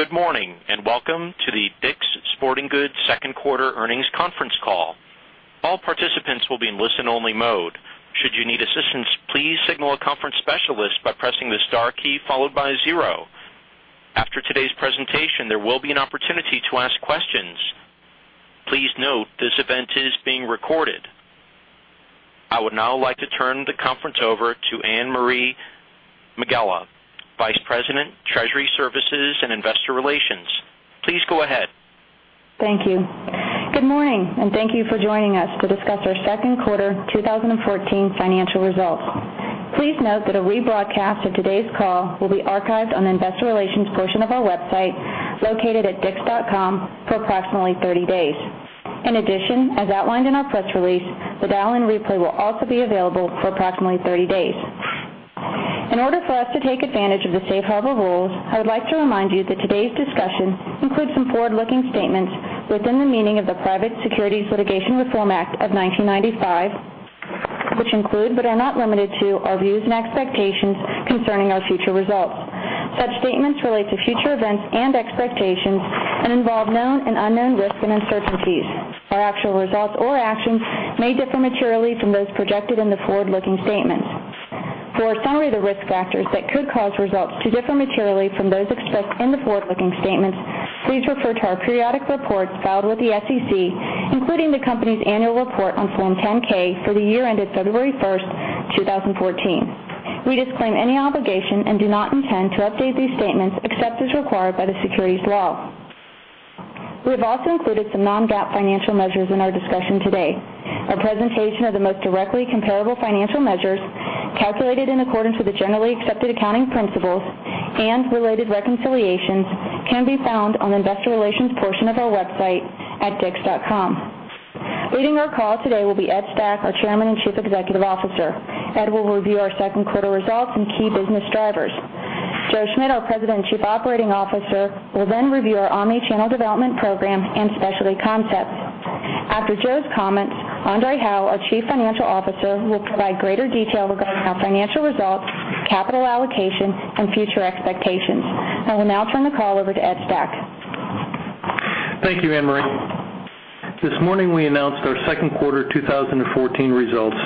Good morning, welcome to the DICK’S Sporting Goods second quarter earnings conference call. All participants will be in listen-only mode. Should you need assistance, please signal a conference specialist by pressing the star key followed by zero. After today's presentation, there will be an opportunity to ask questions. Please note this event is being recorded. I would now like to turn the conference over to Anne-Marie Megela, Vice President, Treasury Services, and Investor Relations. Please go ahead. Thank you. Good morning, thank you for joining us to discuss our second quarter 2014 financial results. Please note that a rebroadcast of today's call will be archived on the investor relations portion of our website, located at dicks.com, for approximately 30 days. In addition, as outlined in our press release, the dial-in replay will also be available for approximately 30 days. In order for us to take advantage of the safe harbor rules, I would like to remind you that today's discussion includes some forward-looking statements within the meaning of the Private Securities Litigation Reform Act of 1995, which include, but are not limited to, our views and expectations concerning our future results. Such statements relate to future events and expectations and involve known and unknown risks and uncertainties. Our actual results or actions may differ materially from those projected in the forward-looking statements. For a summary of the risk factors that could cause results to differ materially from those expressed in the forward-looking statements, please refer to our periodic reports filed with the SEC, including the company's annual report on Form 10-K for the year ended February 1st, 2014. We disclaim any obligation and do not intend to update these statements except as required by the securities law. We have also included some non-GAAP financial measures in our discussion today. A presentation of the most directly comparable financial measures, calculated in accordance with the generally accepted accounting principles and related reconciliations, can be found on the investor relations portion of our website at dicks.com. Leading our call today will be Ed Stack, our Chairman and Chief Executive Officer. Ed will review our second quarter results and key business drivers. Joe Schmidt, our President and Chief Operating Officer, will then review our omni-channel development program and specialty concepts. After Joe's comments, André Hawaux, our Chief Financial Officer, will provide greater detail regarding our financial results, capital allocation, and future expectations. I will now turn the call over to Ed Stack. Thank you, Anne-Marie. This morning, we announced our second quarter 2014 results,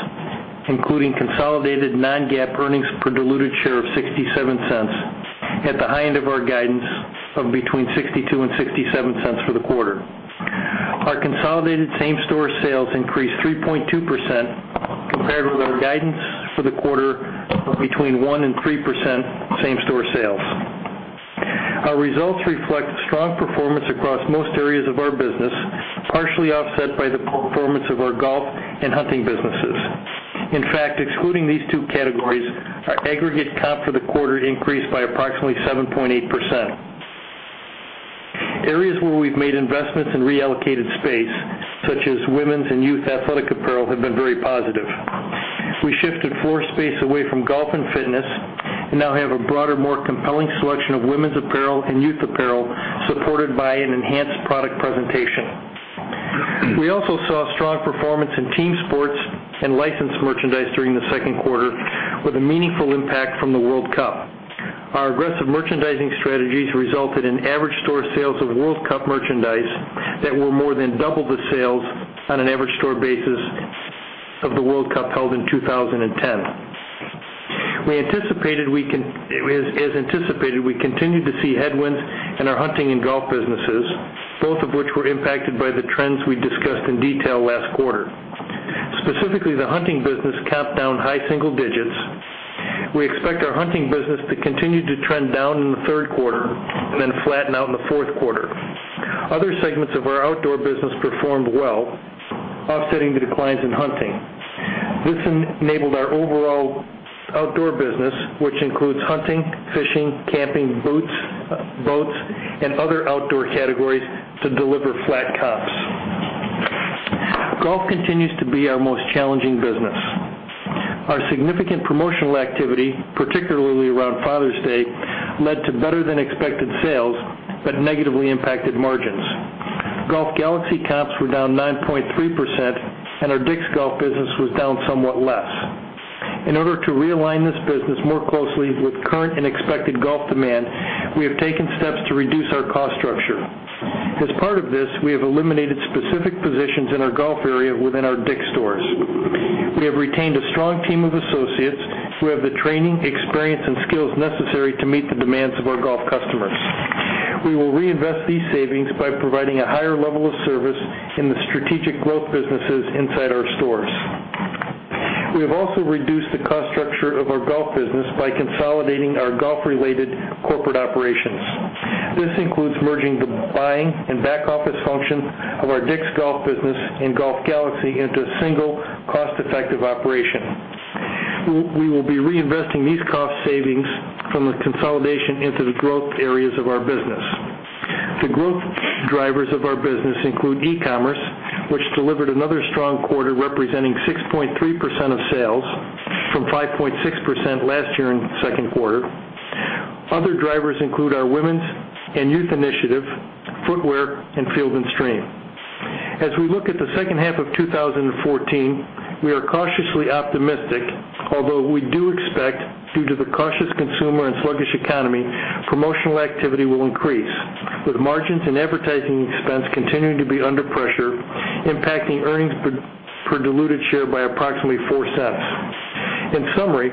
including consolidated non-GAAP earnings per diluted share of $0.67, at the high end of our guidance of between $0.62 and $0.67 for the quarter. Our consolidated same-store sales increased 3.2%, compared with our guidance for the quarter of between 1% and 3% same-store sales. Our results reflect strong performance across most areas of our business, partially offset by the performance of our golf and hunting businesses. In fact, excluding these two categories, our aggregate comp for the quarter increased by approximately 7.8%. Areas where we've made investments in reallocated space, such as women's and youth athletic apparel, have been very positive. We shifted floor space away from golf and fitness and now have a broader, more compelling selection of women's apparel and youth apparel, supported by an enhanced product presentation. We also saw strong performance in team sports and licensed merchandise during the second quarter, with a meaningful impact from the World Cup. Our aggressive merchandising strategies resulted in average store sales of World Cup merchandise that were more than double the sales on an average store basis of the World Cup held in 2010. As anticipated, we continued to see headwinds in our hunting and golf businesses, both of which were impacted by the trends we discussed in detail last quarter. Specifically, the hunting business comp down high single digits. We expect our hunting business to continue to trend down in the third quarter and then flatten out in the fourth quarter. Other segments of our outdoor business performed well, offsetting the declines in hunting. This enabled our overall outdoor business, which includes hunting, fishing, camping, boats, and other outdoor categories, to deliver flat comps. Golf continues to be our most challenging business. Our significant promotional activity, particularly around Father's Day, led to better-than-expected sales but negatively impacted margins. Golf Galaxy comps were down 9.3%, and our DICK'S Golf business was down somewhat less. In order to realign this business more closely with current and expected golf demand, we have taken steps to reduce our cost structure. As part of this, we have eliminated specific positions in our golf area within our DICK'S stores. We have retained a strong team of associates who have the training, experience, and skills necessary to meet the demands of our golf customers. We will reinvest these savings by providing a higher level of service in the strategic growth businesses inside our stores. We have also reduced the cost structure of our golf business by consolidating our golf-related corporate operations. This includes merging the buying and back-office functions of our DICK'S Golf business and Golf Galaxy into a single cost-effective operation. We will be reinvesting these cost savings from the consolidation into the growth areas of our business. The growth drivers of our business include e-commerce, which delivered another strong quarter representing 6.3% of sales from 5.6% last year in the second quarter. Other drivers include our women's and youth initiative, footwear, and Field & Stream. As we look at the second half of 2014, we are cautiously optimistic, although we do expect, due to the cautious consumer and sluggish economy, promotional activity will increase, with margins and advertising expense continuing to be under pressure, impacting earnings per diluted share by approximately $0.04. In summary,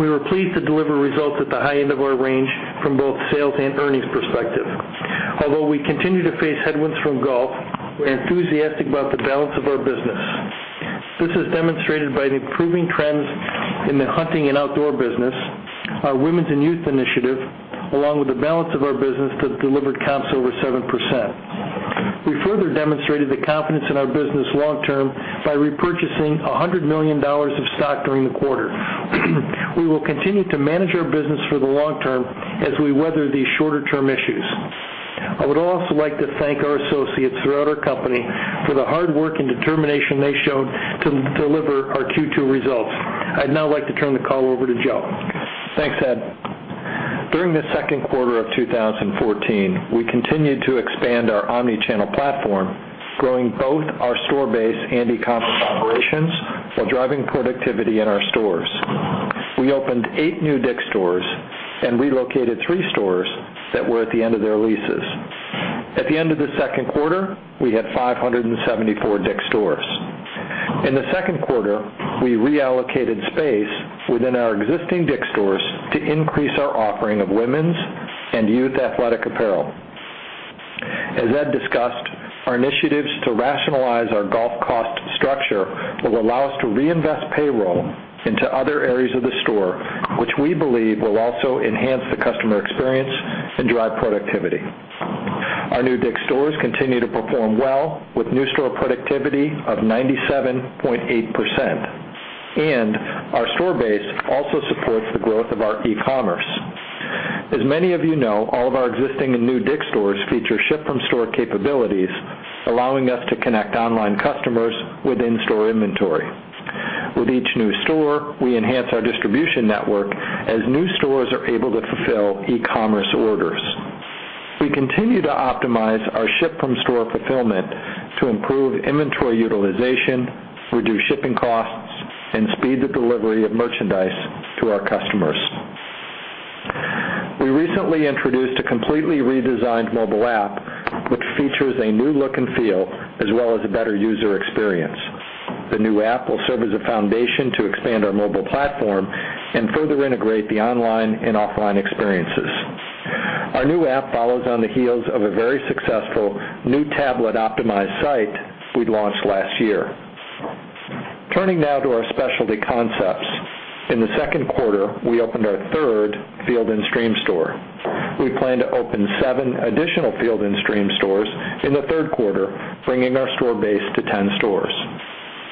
we were pleased to deliver results at the high end of our range from both sales and earnings perspective. Although we continue to face headwinds from golf, we're enthusiastic about the balance of our business. This is demonstrated by the improving trends in the hunting and outdoor business, our Women's and Youth Initiative, along with the balance of our business that delivered comps over 7%. We further demonstrated the confidence in our business long term by repurchasing $100 million of stock during the quarter. We will continue to manage our business for the long term as we weather these shorter-term issues. I would also like to thank our associates throughout our company for the hard work and determination they showed to deliver our Q2 results. I'd now like to turn the call over to Joe. Thanks, Ed. During the second quarter of 2014, we continued to expand our omnichannel platform, growing both our store base and e-commerce operations, while driving productivity in our stores. We opened eight new DICK'S stores and relocated three stores that were at the end of their leases. At the end of the second quarter, we had 574 DICK'S stores. In the second quarter, we reallocated space within our existing DICK'S stores to increase our offering of women's and youth athletic apparel. As Ed discussed, our initiatives to rationalize our golf cost structure will allow us to reinvest payroll into other areas of the store, which we believe will also enhance the customer experience and drive productivity. Our new DICK'S stores continue to perform well with new store productivity of 97.8%, and our store base also supports the growth of our e-commerce. As many of you know, all of our existing and new DICK'S stores feature ship-from-store capabilities, allowing us to connect online customers with in-store inventory. With each new store, we enhance our distribution network as new stores are able to fulfill e-commerce orders. We continue to optimize our ship-from-store fulfillment to improve inventory utilization, reduce shipping costs, and speed the delivery of merchandise to our customers. We recently introduced a completely redesigned mobile app, which features a new look and feel, as well as a better user experience. The new app will serve as a foundation to expand our mobile platform and further integrate the online and offline experiences. Our new app follows on the heels of a very successful new tablet-optimized site we launched last year. Turning now to our specialty concepts. In the second quarter, we opened our third Field & Stream store. We plan to open seven additional Field & Stream stores in the third quarter, bringing our store base to 10 stores.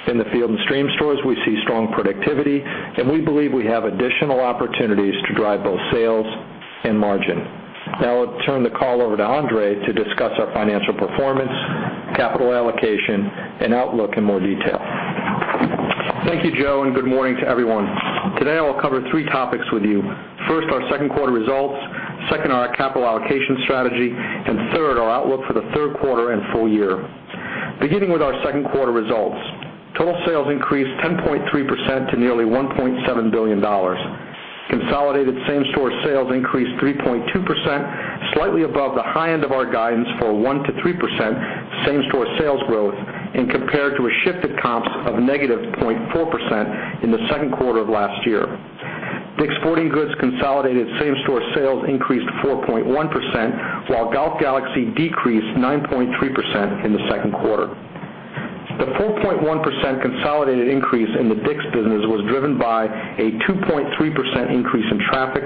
In the Field & Stream stores, we see strong productivity, and we believe we have additional opportunities to drive both sales and margin. Now I'll turn the call over to Andre to discuss our financial performance, capital allocation, and outlook in more detail. Thank you, Joe, good morning to everyone. Today, I will cover three topics with you. First, our second quarter results. Second, our capital allocation strategy, third, our outlook for the third quarter and full year. Beginning with our second quarter results. Total sales increased 10.3% to nearly $1.7 billion. Consolidated same-store sales increased 3.2%, slightly above the high end of our guidance for a 1%-3% same-store sales growth compared to a shifted comps of -0.4% in the second quarter of last year. DICK'S Sporting Goods consolidated same-store sales increased 4.1%, while Golf Galaxy decreased 9.3% in the second quarter. The 4.1% consolidated increase in the DICK'S business was driven by a 2.3% increase in traffic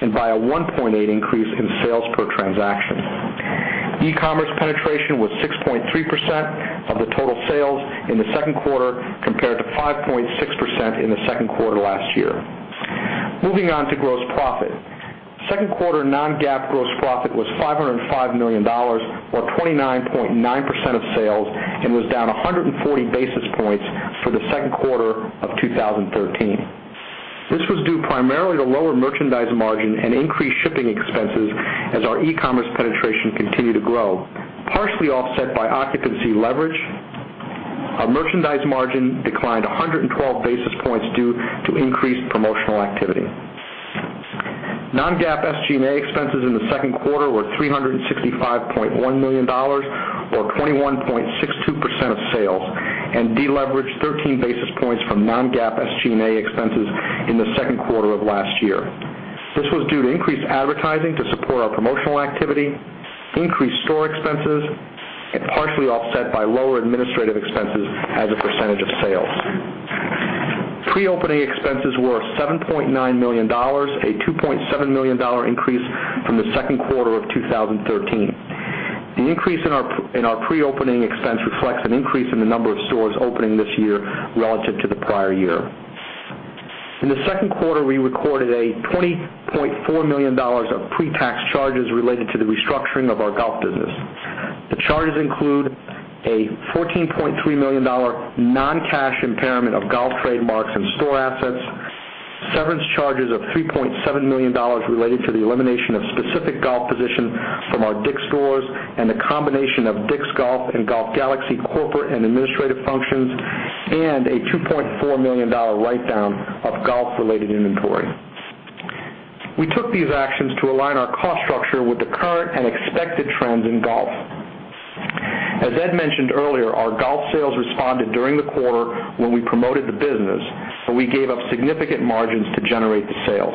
and by a 1.8% increase in sales per transaction. E-commerce penetration was 6.3% of the total sales in the second quarter, compared to 5.6% in the second quarter last year. Moving on to gross profit. Second quarter non-GAAP gross profit was $505 million, or 29.9% of sales was down 140 basis points for the second quarter of 2013. This was due primarily to lower merchandise margin and increased shipping expenses as our e-commerce penetration continued to grow, partially offset by occupancy leverage. Our merchandise margin declined 112 basis points due to increased promotional activity. Non-GAAP SG&A expenses in the second quarter were $365.1 million, or 21.62% of sales, deleveraged 13 basis points from non-GAAP SG&A expenses in the second quarter of last year. This was due to increased advertising to support our promotional activity, increased store expenses, partially offset by lower administrative expenses as a percentage of sales. Pre-opening expenses were $7.9 million, a $2.7 million increase from the second quarter of 2013. The increase in our pre-opening expense reflects an increase in the number of stores opening this year relative to the prior year. In the second quarter, we recorded a $20.4 million of pre-tax charges related to the restructuring of our golf business. The charges include a $14.3 million non-cash impairment of golf trademarks and store assets. Severance charges of $3.7 million related to the elimination of specific golf positions from our DICK'S stores and the combination of DICK'S Golf and Golf Galaxy corporate and administrative functions, a $2.4 million write-down of golf-related inventory. We took these actions to align our cost structure with the current and expected trends in golf. As Ed mentioned earlier, our golf sales responded during the quarter when we promoted the business, we gave up significant margins to generate the sales.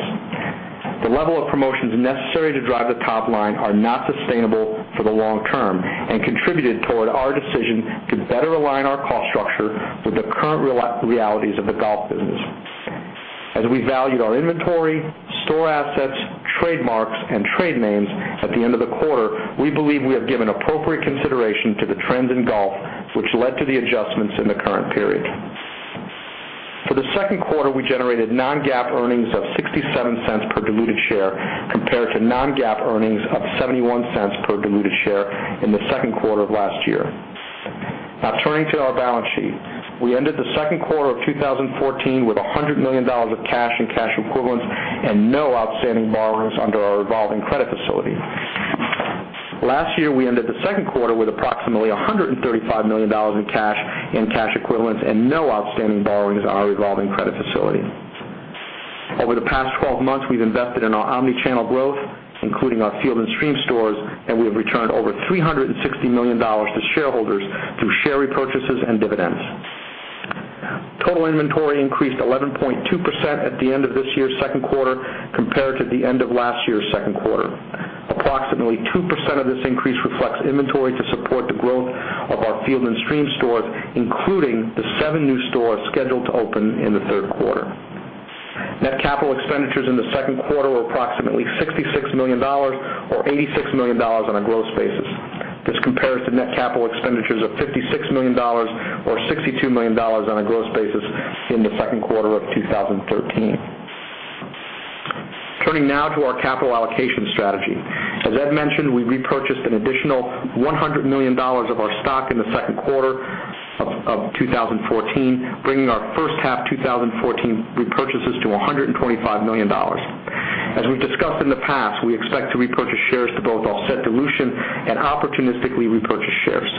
The level of promotions necessary to drive the top line are not sustainable for the long term contributed toward our decision to better align our cost structure with the current realities of the golf business. As we valued our inventory, store assets, trademarks, and trade names at the end of the quarter, we believe we have given appropriate consideration to the trends in golf, which led to the adjustments in the current period. For the second quarter, we generated non-GAAP earnings of $0.67 per diluted share, compared to non-GAAP earnings of $0.71 per diluted share in the second quarter of last year. Turning to our balance sheet. We ended the second quarter of 2014 with $100 million of cash and cash equivalents and no outstanding borrowings under our revolving credit facility. Last year, we ended the second quarter with approximately $135 million in cash and cash equivalents and no outstanding borrowings on our revolving credit facility. Over the past 12 months, we've invested in our omnichannel growth, including our Field & Stream stores, and we have returned over $360 million to shareholders through share repurchases and dividends. Total inventory increased 11.2% at the end of this year's second quarter compared to the end of last year's second quarter. Approximately 2% of this increase reflects inventory to support the growth of our Field & Stream stores, including the seven new stores scheduled to open in the third quarter. Net capital expenditures in the second quarter were approximately $66 million, or $86 million on a growth basis. This compares to net capital expenditures of $56 million, or $62 million on a growth basis, in the second quarter of 2013. Turning now to our capital allocation strategy. As Ed mentioned, we repurchased an additional $100 million of our stock in the second quarter of 2014, bringing our first half 2014 repurchases to $125 million. As we've discussed in the past, we expect to repurchase shares to both offset dilution and opportunistically repurchase shares.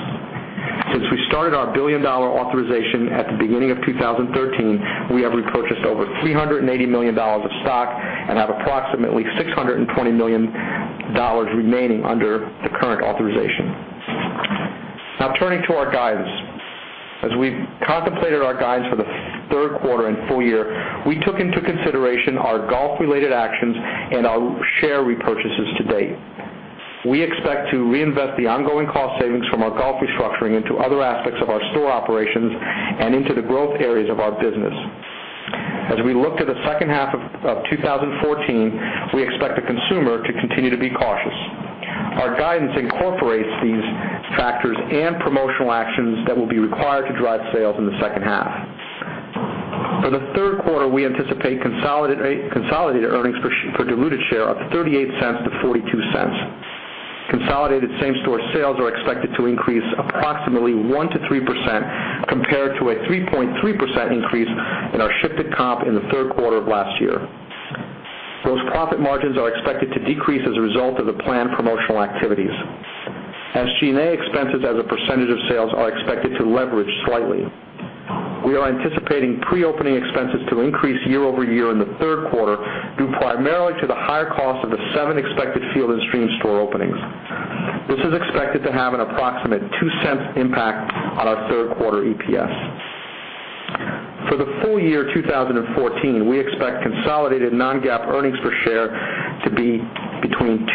Since we started our billion-dollar authorization at the beginning of 2013, we have repurchased over $380 million of stock and have approximately $620 million remaining under the current authorization. Turning to our guidance. As we've contemplated our guidance for the third quarter and full year, we took into consideration our golf-related actions and our share repurchases to date. We expect to reinvest the ongoing cost savings from our golf restructuring into other aspects of our store operations and into the growth areas of our business. As we look to the second half of 2014, we expect the consumer to continue to be cautious. Our guidance incorporates these factors and promotional actions that will be required to drive sales in the second half. For the third quarter, we anticipate consolidated earnings for diluted share of $0.38-$0.42. Consolidated same-store sales are expected to increase approximately 1%-3%, compared to a 3.3% increase in our shifted comp in the third quarter of last year. Gross profit margins are expected to decrease as a result of the planned promotional activities. SG&A expenses as a percentage of sales are expected to leverage slightly. We are anticipating pre-opening expenses to increase year-over-year in the third quarter, due primarily to the higher cost of the seven expected Field & Stream store openings. This is expected to have an approximate $0.02 impact on our third quarter EPS. For the full year 2014, we expect consolidated non-GAAP earnings per share to be between $2.70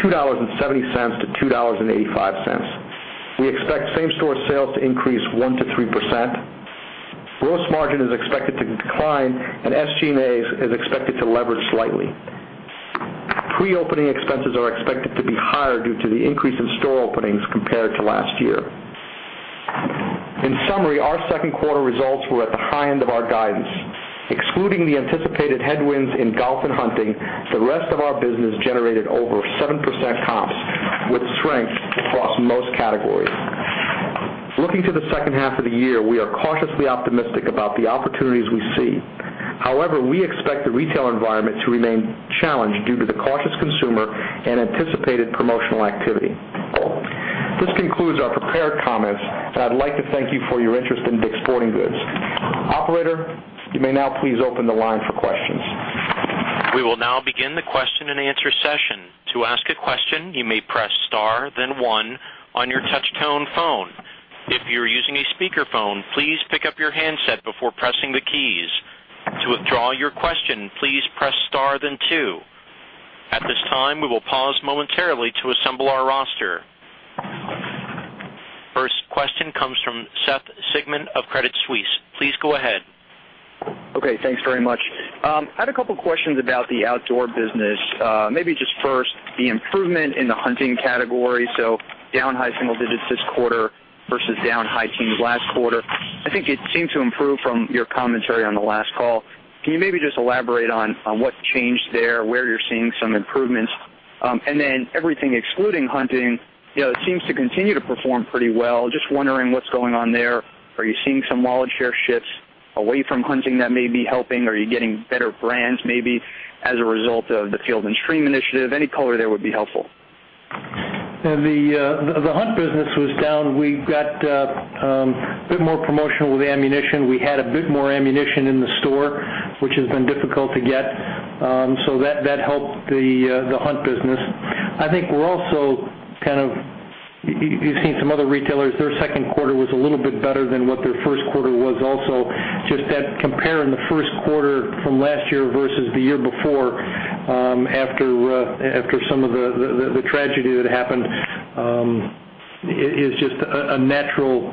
to $2.85. We expect same-store sales to increase 1%-3%. Gross margin is expected to decline, and SG&A is expected to leverage slightly. Pre-opening expenses are expected to be higher due to the increase in store openings compared to last year. In summary, our second quarter results were at the high end of our guidance. Excluding the anticipated headwinds in golf and hunting, the rest of our business generated over 7% comps, with strength across most categories. Looking to the second half of the year, we are cautiously optimistic about the opportunities we see. However, we expect the retail environment to remain challenged due to the cautious consumer and anticipated promotional activity. This concludes our prepared comments. I'd like to thank you for your interest in DICK'S Sporting Goods. Operator, you may now please open the line for questions. We will now begin the question and answer session. To ask a question, you may press star then one on your touch tone phone. If you're using a speakerphone, please pick up your handset before pressing the keys. To withdraw your question, please press star then two. At this time, we will pause momentarily to assemble our roster. First question comes from Seth Sigman of Credit Suisse. Please go ahead. Okay. Thanks very much. I had a couple questions about the outdoor business. Maybe just first, the improvement in the hunting category, so down high single digits this quarter versus down high teens last quarter. I think it seemed to improve from your commentary on the last call. Can you maybe just elaborate on what changed there, where you're seeing some improvements? Everything excluding hunting, it seems to continue to perform pretty well. Just wondering what's going on there. Are you seeing some wallet share shifts away from hunting that may be helping? Are you getting better brands maybe as a result of the Field & Stream initiative? Any color there would be helpful. The hunt business was down. We got a bit more promotional with ammunition. We had a bit more ammunition in the store, which has been difficult to get. That helped the hunt business. You've seen some other retailers, their second quarter was a little bit better than what their first quarter was also. Just that comparing the first quarter from last year versus the year before, after some of the tragedy that happened, is just a natural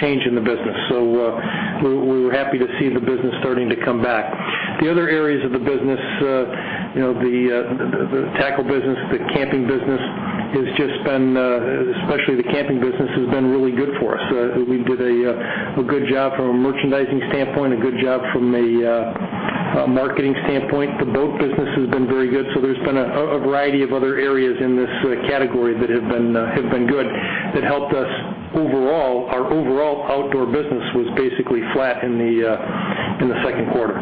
change in the business. We're happy to see the business starting to come back. The other areas of the business, the tackle business, the camping business, especially the camping business, has been really good for us. We did a good job from a merchandising standpoint, a good job from a marketing standpoint. The boat business has been very good. There's been a variety of other areas in this category that have been good that helped us overall. Our overall outdoor business was basically flat in the second quarter.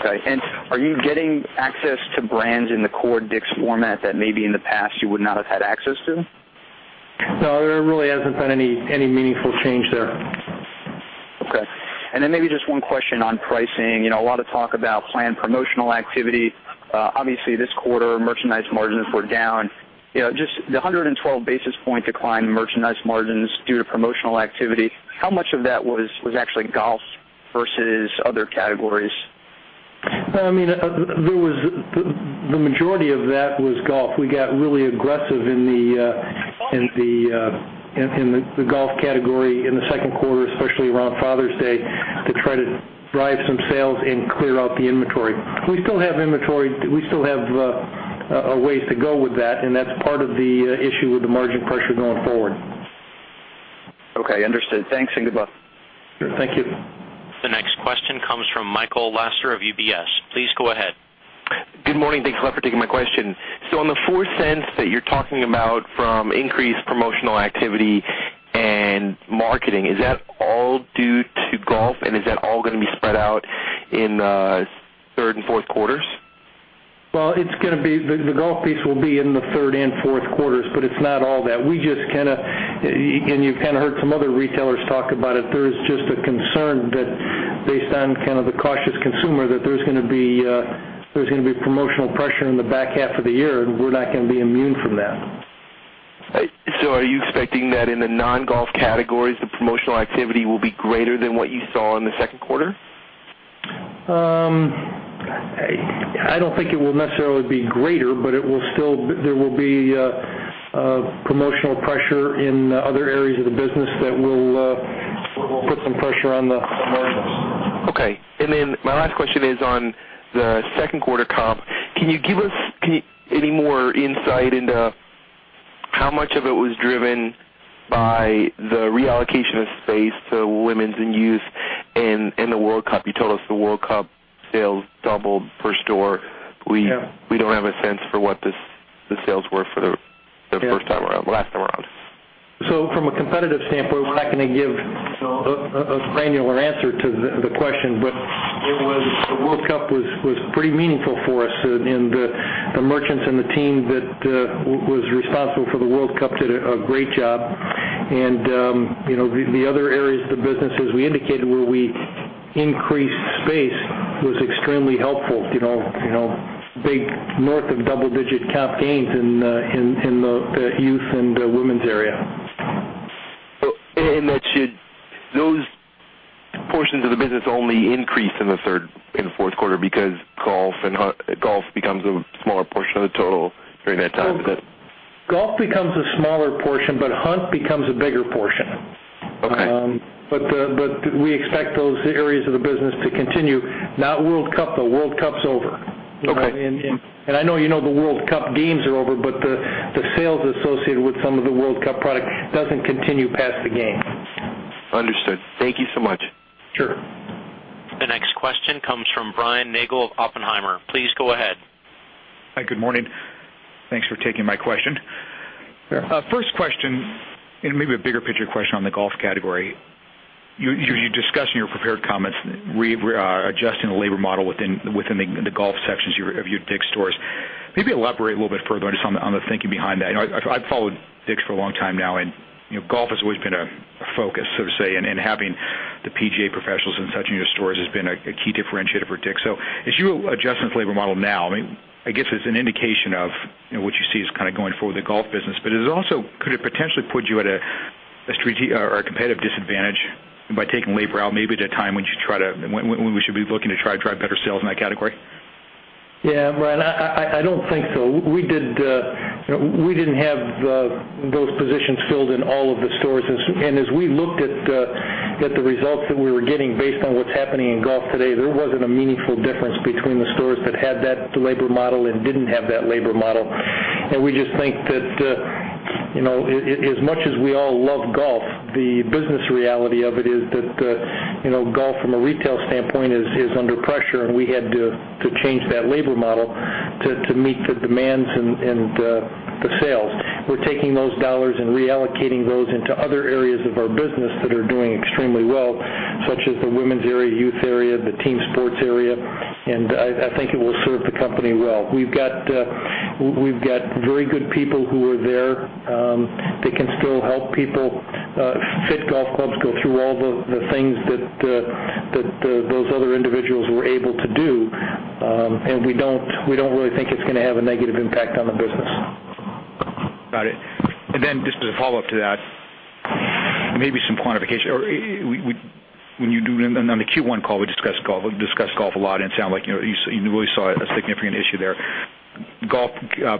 Okay. Are you getting access to brands in the core DICK'S format that maybe in the past you would not have had access to? No, there really hasn't been any meaningful change there. Okay. Maybe just one question on pricing. A lot of talk about planned promotional activity. Obviously, this quarter, merchandise margins were down. Just the 112 basis point decline in merchandise margins due to promotional activity, how much of that was actually golf versus other categories? The majority of that was golf. We got really aggressive in the golf category in the second quarter, especially around Father's Day, to try to drive some sales and clear out the inventory. We still have inventory. We still have a ways to go with that, and that's part of the issue with the margin pressure going forward. Okay. Understood. Thanks and goodbye. Sure. Thank you. The next question comes from Michael Lasser of UBS. Please go ahead. Good morning. Thanks a lot for taking my question. On the $0.04 that you're talking about from increased promotional activity and marketing, is that all due to golf, and is that all going to be spread out in the third and fourth quarters? Well, the golf piece will be in the third and fourth quarters, it's not all that. You've heard some other retailers talk about it. There is just a concern that based on the cautious consumer, that there's going to be promotional pressure in the back half of the year, and we're not going to be immune from that. Are you expecting that in the non-golf categories, the promotional activity will be greater than what you saw in the second quarter? I don't think it will necessarily be greater, but there will be promotional pressure in other areas of the business that will put some pressure on the margins. My last question is on the second quarter comp. Can you give us any more insight into how much of it was driven by the reallocation of space to women's and youth and the World Cup? You told us the World Cup sales doubled per store. Yeah. We don't have a sense for what the sales were. Yeah last time around. From a competitive standpoint, we're not going to give a granular answer to the question, but the World Cup was pretty meaningful for us, and the merchants and the team that was responsible for the World Cup did a great job. The other areas of the business, as we indicated, where we increased space, was extremely helpful. Big north of double-digit comp gains in the youth and women's area. Those portions of the business only increase in the fourth quarter because golf becomes a smaller portion of the total during that time? Golf becomes a smaller portion, but hunt becomes a bigger portion. Okay. We expect those areas of the business to continue. Not World Cup, though. World Cup's over. Okay. I know you know the World Cup games are over, but the sales associated with some of the World Cup product doesn't continue past the game. Understood. Thank you so much. Sure. The next question comes from Brian Nagel of Oppenheimer. Please go ahead. Hi, good morning. Thanks for taking my question. Sure. First question, maybe a bigger picture question on the golf category. You discussed in your prepared comments, adjusting the labor model within the golf sections of your DICK'S stores. Maybe elaborate a little bit further just on the thinking behind that. I've followed DICK'S for a long time now, and golf has always been a focus, so to say, and having the PGA professionals in touch in your stores has been a key differentiator for DICK'S. As you adjust this labor model now, I guess it's an indication of what you see is going forward with the golf business. Could it potentially put you at a competitive disadvantage by taking labor out maybe at a time when we should be looking to try to drive better sales in that category? Yeah, Brian, I don't think so. We didn't have those positions filled in all of the stores. As we looked at the results that we were getting based on what's happening in golf today, there wasn't a meaningful difference between the stores that had that labor model and didn't have that labor model. We just think that as much as we all love golf, the business reality of it is that golf from a retail standpoint is under pressure, and we had to change that labor model to meet the demands and the sales. We're taking those dollars and reallocating those into other areas of our business that are doing extremely well, such as the women's area, youth area, the team sports area, I think it will serve the company well. We've got very good people who are there. They can still help people fit golf clubs, go through all the things that those other individuals were able to do. We don't really think it's going to have a negative impact on the business. Got it. Just as a follow-up to that, maybe some quantification. On the Q1 call, we discussed golf a lot, and it sounded like you really saw a significant issue there. Golf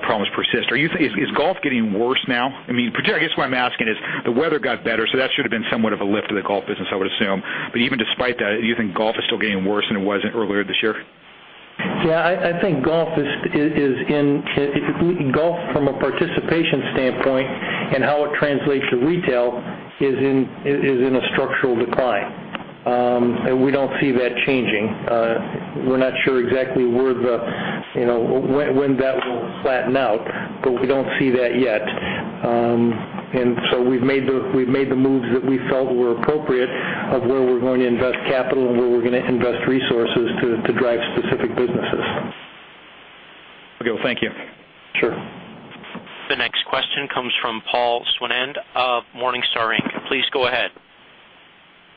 problems persist. Is golf getting worse now? Particularly, I guess what I'm asking is the weather got better, so that should have been somewhat of a lift to the golf business, I would assume. Even despite that, do you think golf is still getting worse than it was earlier this year? Yeah, I think golf from a participation standpoint and how it translates to retail is in a structural decline. We don't see that changing. We're not sure exactly when that will flatten out, but we don't see that yet. We've made the moves that we felt were appropriate of where we're going to invest capital and where we're going to invest resources to drive specific businesses. Okay. Well, thank you. Sure. The next question comes from Paul Swinand of Morningstar, Inc.. Please go ahead.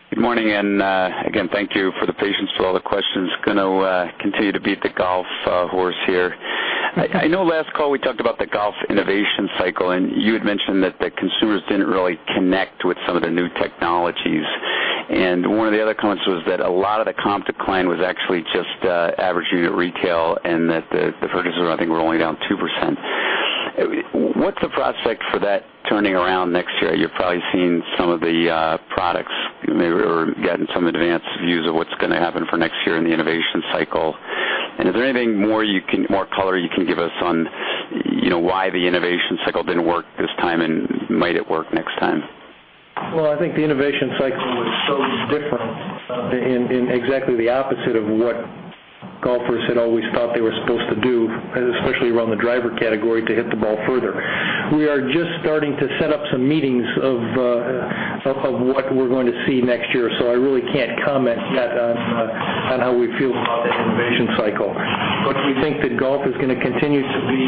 Good morning. Again, thank you for the patience with all the questions. Going to continue to beat the golf horse here. I know last call we talked about the golf innovation cycle, and you had mentioned that the consumers didn't really connect with some of the new technologies. One of the other comments was that a lot of the comp decline was actually just average unit retail and that the purchases, I think, were only down 2%. What's the prospect for that turning around next year? You're probably seeing some of the products or gotten some advanced views of what's going to happen for next year in the innovation cycle. Is there anything more color you can give us on why the innovation cycle didn't work this time, and might it work next time? Well, I think the innovation cycle was so different in exactly the opposite of what golfers had always thought they were supposed to do, especially around the driver category, to hit the ball further. We are just starting to set up some meetings of what we're going to see next year, so I really can't comment yet on how we feel about that innovation cycle. We think that golf is going to continue to be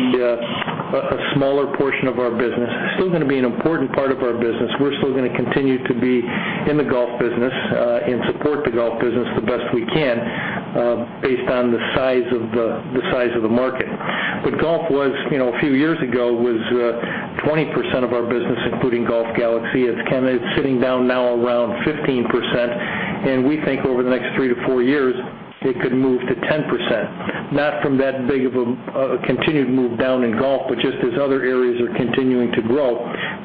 a smaller portion of our business. It's still going to be an important part of our business. We're still going to continue to be in the golf business and support the golf business the best we can based on the size of the market. Golf was, a few years ago, was 20% of our business, including Golf Galaxy. It's sitting down now around 15%, and we think over the next three to four years, it could move to 10%. Not from that big of a continued move down in golf, but just as other areas are continuing to grow,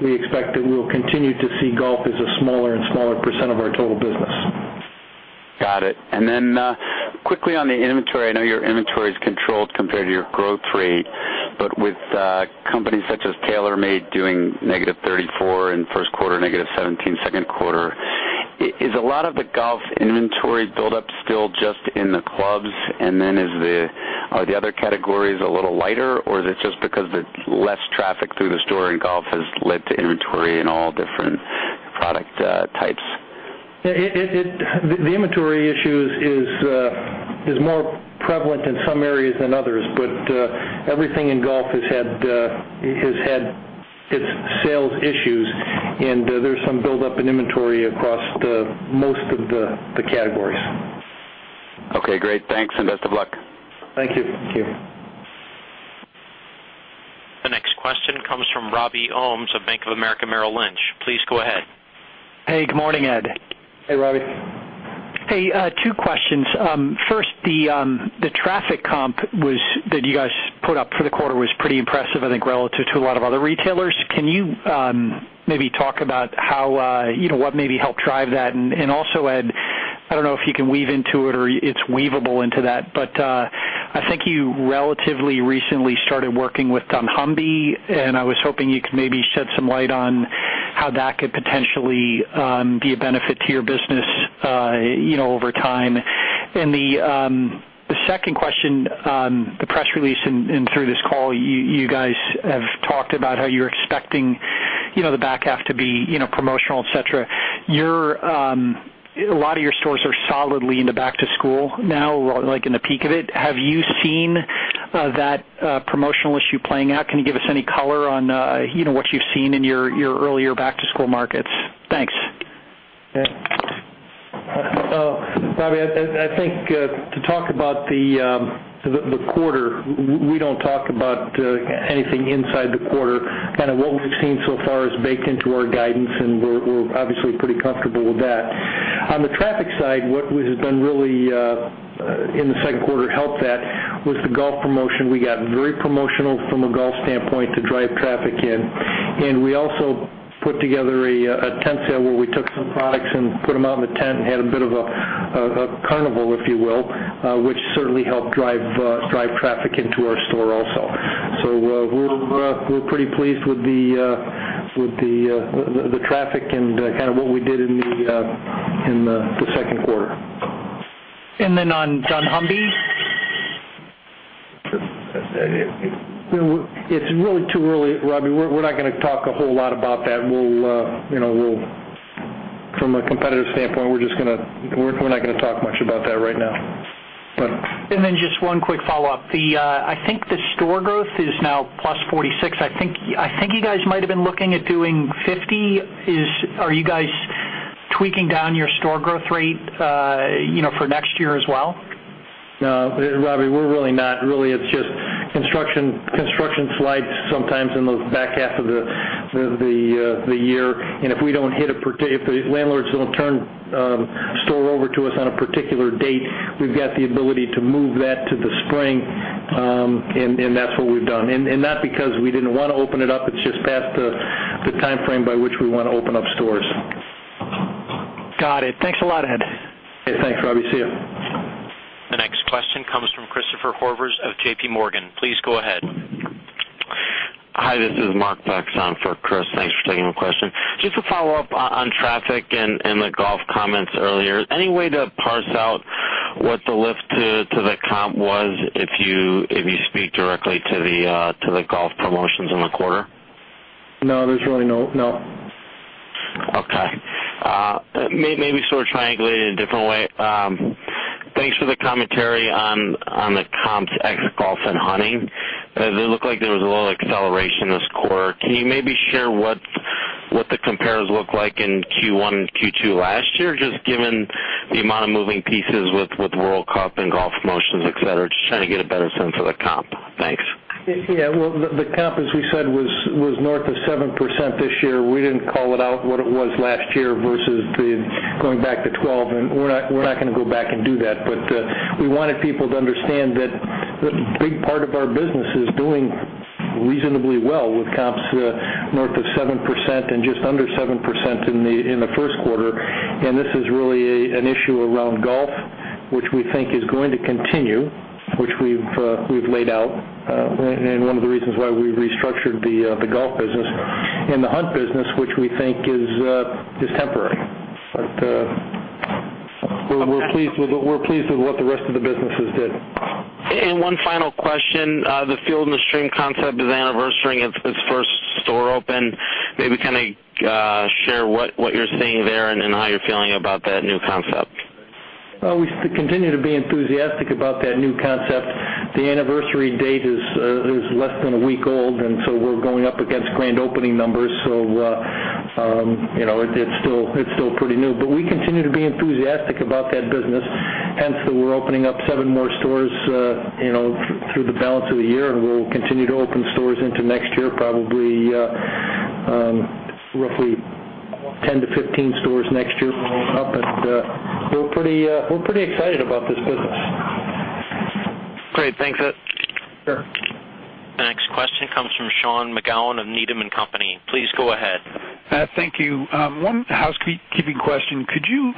we expect that we'll continue to see golf as a smaller and smaller percent of our total business. Got it. Quickly on the inventory, I know your inventory is controlled compared to your growth rate. With companies such as TaylorMade doing -34% in first quarter, -17% second quarter, is a lot of the golf inventory buildup still just in the clubs? Are the other categories a little lighter, or is it just because the less traffic through the store in golf has led to inventory in all different product types? The inventory issue is more prevalent in some areas than others, but everything in golf has had its sales issues, and there's some buildup in inventory across most of the categories. Okay, great. Thanks, and best of luck. Thank you. Thank you. The next question comes from Robert Ohmes of Bank of America Merrill Lynch. Please go ahead. Hey, good morning, Ed. Hey, Robbie. Hey, two questions. First, the traffic comp that you guys put up for the quarter was pretty impressive, I think, relative to a lot of other retailers. Can you maybe talk about what maybe helped drive that? Also, Ed, I don't know if you can weave into it or it's weaveable into that, but I think you relatively recently started working with dunnhumby, and I was hoping you could maybe shed some light on how that could potentially be a benefit to your business over time. The second question, the press release and through this call, you guys have talked about how you're expecting the back half to be promotional, et cetera. A lot of your stores are solidly in the back to school now, like in the peak of it. Have you seen that promotional issue playing out? Can you give us any color on what you've seen in your earlier back-to-school markets? Thanks. Robbie, I think to talk about the quarter, we don't talk about anything inside the quarter. What we've seen so far is baked into our guidance, and we're obviously pretty comfortable with that. On the traffic side, what has been really in the second quarter helped that was the golf promotion. We got very promotional from a golf standpoint to drive traffic in. We also put together a tent sale where we took some products and put them out in the tent and had a bit of a carnival, if you will, which certainly helped drive traffic into our store also. We're pretty pleased with the traffic and what we did in the second quarter. On dunnhumby? It's really too early, Robbie. We're not going to talk a whole lot about that. From a competitive standpoint, we're not going to talk much about that right now. Just one quick follow-up. I think the store growth is now plus 46. I think you guys might have been looking at doing 50. Are you guys tweaking down your store growth rate for next year as well? No, Robbie, we're really not. Really, it's just construction slides sometimes in the back half of the year. If the landlords don't turn store over to us on a particular date, we've got the ability to move that to the spring, and that's what we've done. Not because we didn't want to open it up, it's just past the timeframe by which we want to open up stores. Got it. Thanks a lot, Ed. Hey, thanks, Robbie. See you. The next question comes from Christopher Horvers of JPMorgan. Please go ahead. Hi, this is Ken Paxton for Chris. Thanks for taking the question. Just to follow up on traffic and the golf comments earlier. Any way to parse out what the lift to the comp was, if you speak directly to the golf promotions in the quarter? No, there's really no. Okay. Maybe sort of triangulate it in a different way. Thanks for the commentary on the comps ex golf and hunting. It looked like there was a little acceleration this quarter. Can you maybe share what the compares looked like in Q1 and Q2 last year, just given the amount of moving pieces with World Cup and golf promotions, et cetera? Just trying to get a better sense of the comp. Thanks. Yeah, well, the comp, as we said, was north of 7% this year. We didn't call it out what it was last year versus going back to 2012, we're not going to go back and do that. We wanted people to understand that a big part of our business is doing reasonably well with comps north of 7% and just under 7% in the first quarter. This is really an issue around golf, which we think is going to continue, which we've laid out and one of the reasons why we restructured the golf business and the hunt business, which we think is temporary. We're pleased with what the rest of the businesses did. One final question. The Field & Stream concept is anniversarying its first store open. Maybe share what you're seeing there and how you're feeling about that new concept. Well, we continue to be enthusiastic about that new concept. The anniversary date is less than a week old, we're going up against grand opening numbers. It's still pretty new, but we continue to be enthusiastic about that business. Hence the we're opening up seven more stores through the balance of the year, we'll continue to open stores into next year, probably roughly 10-15 stores next year up. We're pretty excited about this business. Great. Thanks, Ed. Sure. The next question comes from Sean McGowan of Needham & Company. Please go ahead. Thank you. One housekeeping question. Could you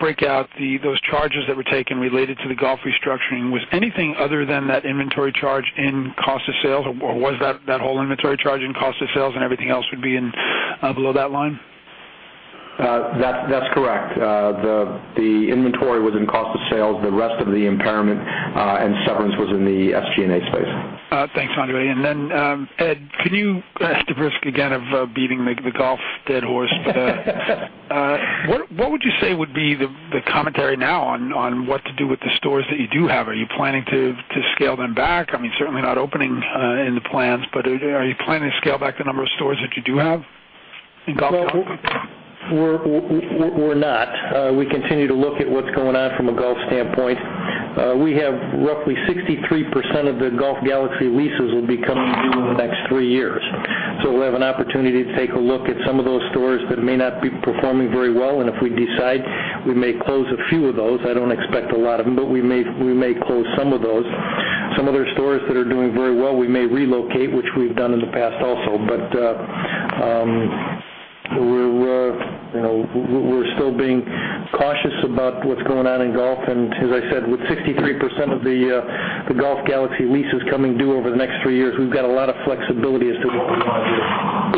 break out those charges that were taken related to the golf restructuring? Was anything other than that inventory charge in cost of sales, or was that whole inventory charge in cost of sales and everything else would be below that line? That's correct. The inventory was in cost of sales. The rest of the impairment and severance was in the SG&A space. Thanks, Andre. Ed, at the risk again of beating the golf dead horse, what would you say would be the commentary now on what to do with the stores that you do have? Are you planning to scale them back? I mean, certainly not opening in the plans, are you planning to scale back the number of stores that you do have in golf? We're not. We continue to look at what's going on from a golf standpoint. We have roughly 63% of the Golf Galaxy leases will be coming due in the next three years. We'll have an opportunity to take a look at some of those stores that may not be performing very well. If we decide, we may close a few of those. I don't expect a lot of them, but we may close some of those. Some other stores that are doing very well, we may relocate, which we've done in the past also. We're still being cautious about what's going on in golf, and as I said, with 63% of the Golf Galaxy leases coming due over the next three years, we've got a lot of flexibility as to what we want to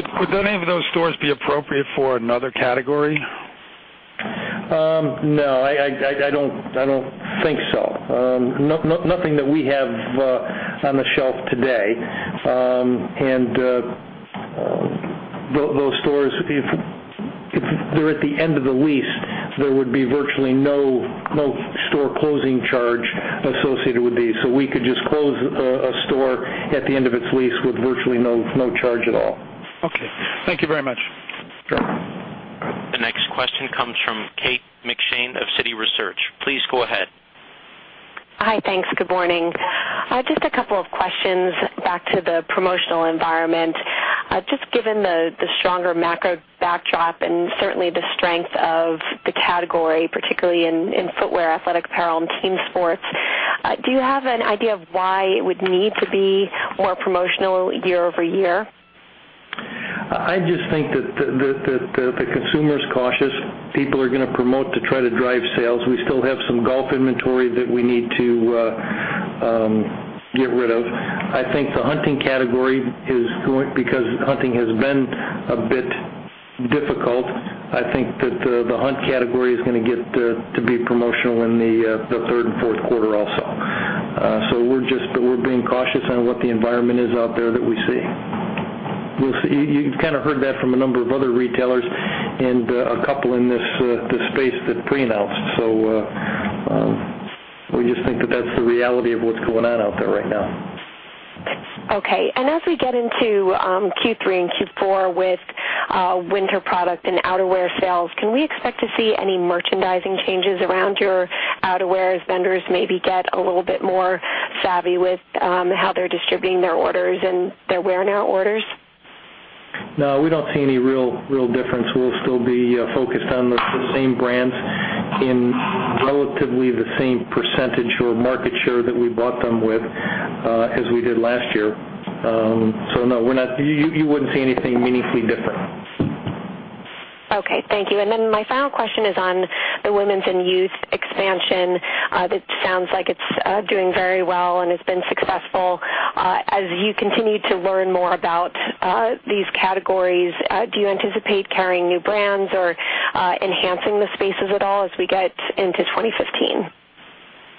do. Would any of those stores be appropriate for another category? No, I don't think so. Nothing that we have on the shelf today. Those stores, if they're at the end of the lease, there would be virtually no store closing charge associated with these. We could just close a store at the end of its lease with virtually no charge at all. Okay. Thank you very much. Sure. The next question comes from Kate McShane of Citi Research. Please go ahead. Hi, thanks. Good morning. Just a couple of questions back to the promotional environment. Just given the stronger macro backdrop and certainly the strength of category, particularly in footwear, athletic apparel, and team sports. Do you have an idea of why it would need to be more promotional year-over-year? I just think that the consumer's cautious. People are going to promote to try to drive sales. We still have some golf inventory that we need to get rid of. I think the hunting category, because hunting has been a bit difficult, I think that the hunt category is going to get to be promotional in the third and fourth quarter also. We're being cautious on what the environment is out there that we see. You've kind of heard that from a number of other retailers and a couple in this space that pre-announced. We just think that that's the reality of what's going on out there right now. Okay. As we get into Q3 and Q4 with winter product and outerwear sales, can we expect to see any merchandising changes around your outerwear, vendors maybe get a little bit more savvy with how they're distributing their orders and their wear-now orders? No, we don't see any real difference. We'll still be focused on the same brands in relatively the same percentage or market share that we bought them with as we did last year. No, you wouldn't see anything meaningfully different. Okay, thank you. My final question is on the women's and youth expansion. That sounds like it's doing very well and has been successful. As you continue to learn more about these categories, do you anticipate carrying new brands or enhancing the spaces at all as we get into 2015?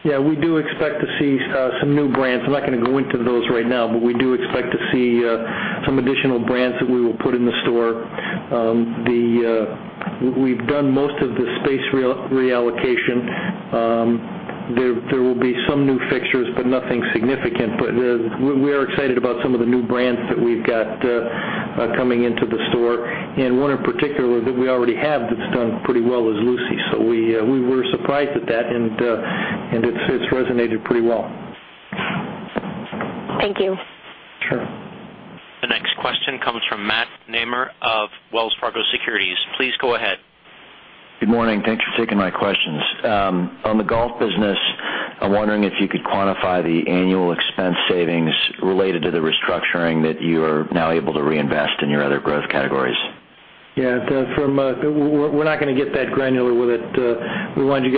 Yeah, we do expect to see some new brands. I'm not going to go into those right now, we do expect to see some additional brands that we will put in the store. We've done most of the space reallocation. There will be some new fixtures, nothing significant. We are excited about some of the new brands that we've got coming into the store. One in particular that we already have that's done pretty well is lucy. We were surprised at that, and it's resonated pretty well. Thank you. Sure. The next question comes from Matt Nemer of Wells Fargo Securities. Please go ahead. Good morning. Thanks for taking my questions. On the golf business, I'm wondering if you could quantify the annual expense savings related to the restructuring that you are now able to reinvest in your other growth categories. Yeah. We're not going to get that granular with it. We wanted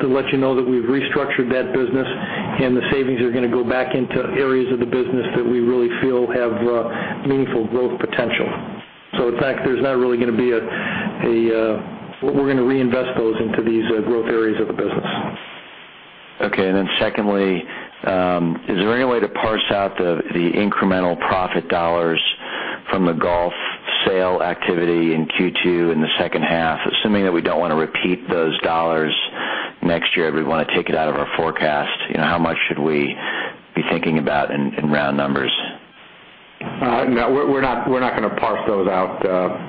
to let you know that we've restructured that business, and the savings are going to go back into areas of the business that we really feel have meaningful growth potential. In fact, we're going to reinvest those into these growth areas of the business. Okay, secondly, is there any way to parse out the incremental profit dollars from the golf sale activity in Q2 in the second half? Assuming that we don't want to repeat those dollars next year, we want to take it out of our forecast. How much should we be thinking about in round numbers? No, we're not going to parse those out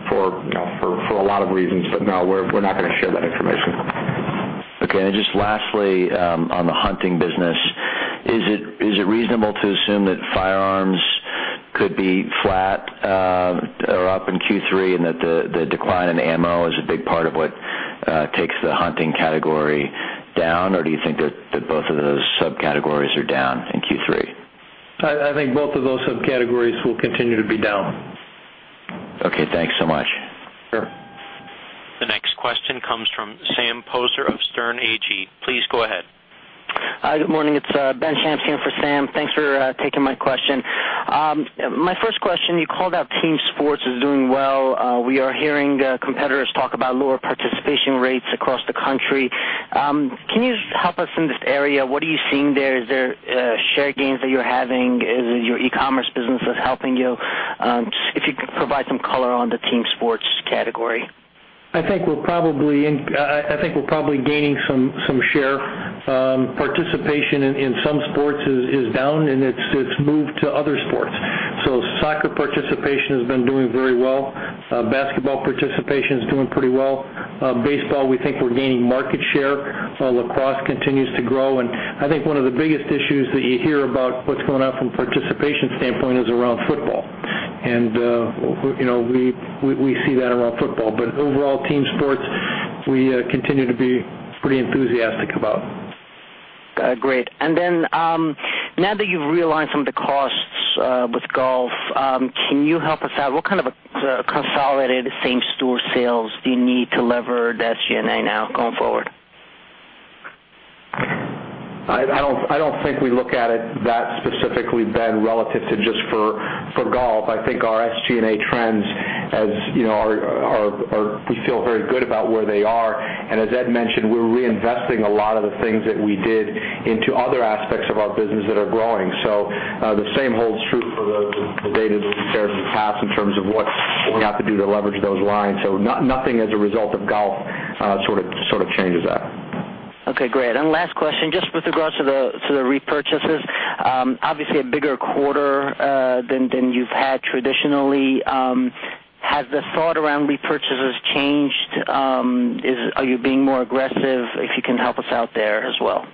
for a lot of reasons. No, we're not going to share that information. Okay. Just lastly, on the hunting business, is it reasonable to assume that firearms could be flat or up in Q3 and that the decline in ammo is a big part of what takes the hunting category down, or do you think that both of those subcategories are down in Q3? I think both of those subcategories will continue to be down. Okay. Thanks so much. Sure. The next question comes from Sam Poser of Sterne Agee. Please go ahead. Hi. Good morning. It's Ben Shamsian here for Sam. Thanks for taking my question. My first question, you called out team sports as doing well. We are hearing competitors talk about lower participation rates across the country. Can you just help us in this area? What are you seeing there? Is there share gains that you're having? Is it your e-commerce business that's helping you? If you could provide some color on the team sports category. I think we're probably gaining some share. Participation in some sports is down, it's moved to other sports. Soccer participation has been doing very well. Basketball participation is doing pretty well. Baseball, we think we're gaining market share. Lacrosse continues to grow. I think one of the biggest issues that you hear about what's going on from participation standpoint is around football. We see that around football. Overall team sports, we continue to be pretty enthusiastic about. Great. Now that you've realigned some of the costs with golf, can you help us out? What kind of a consolidated same-store sales do you need to lever that SG&A now going forward? I don't think we look at it that specifically, Ben, relative to just for golf. I think our SG&A trends, we feel very good about where they are. As Ed mentioned, we're reinvesting a lot of the things that we did into other aspects of our business that are growing. The same holds true for the data that we've shared in the past in terms of what we have to do to leverage those lines. Nothing as a result of golf sort of changes that. Okay, great. Last question, just with regards to the repurchases. Obviously a bigger quarter than you've had traditionally. Has the thought around repurchases changed? Are you being more aggressive? If you can help us out there as well.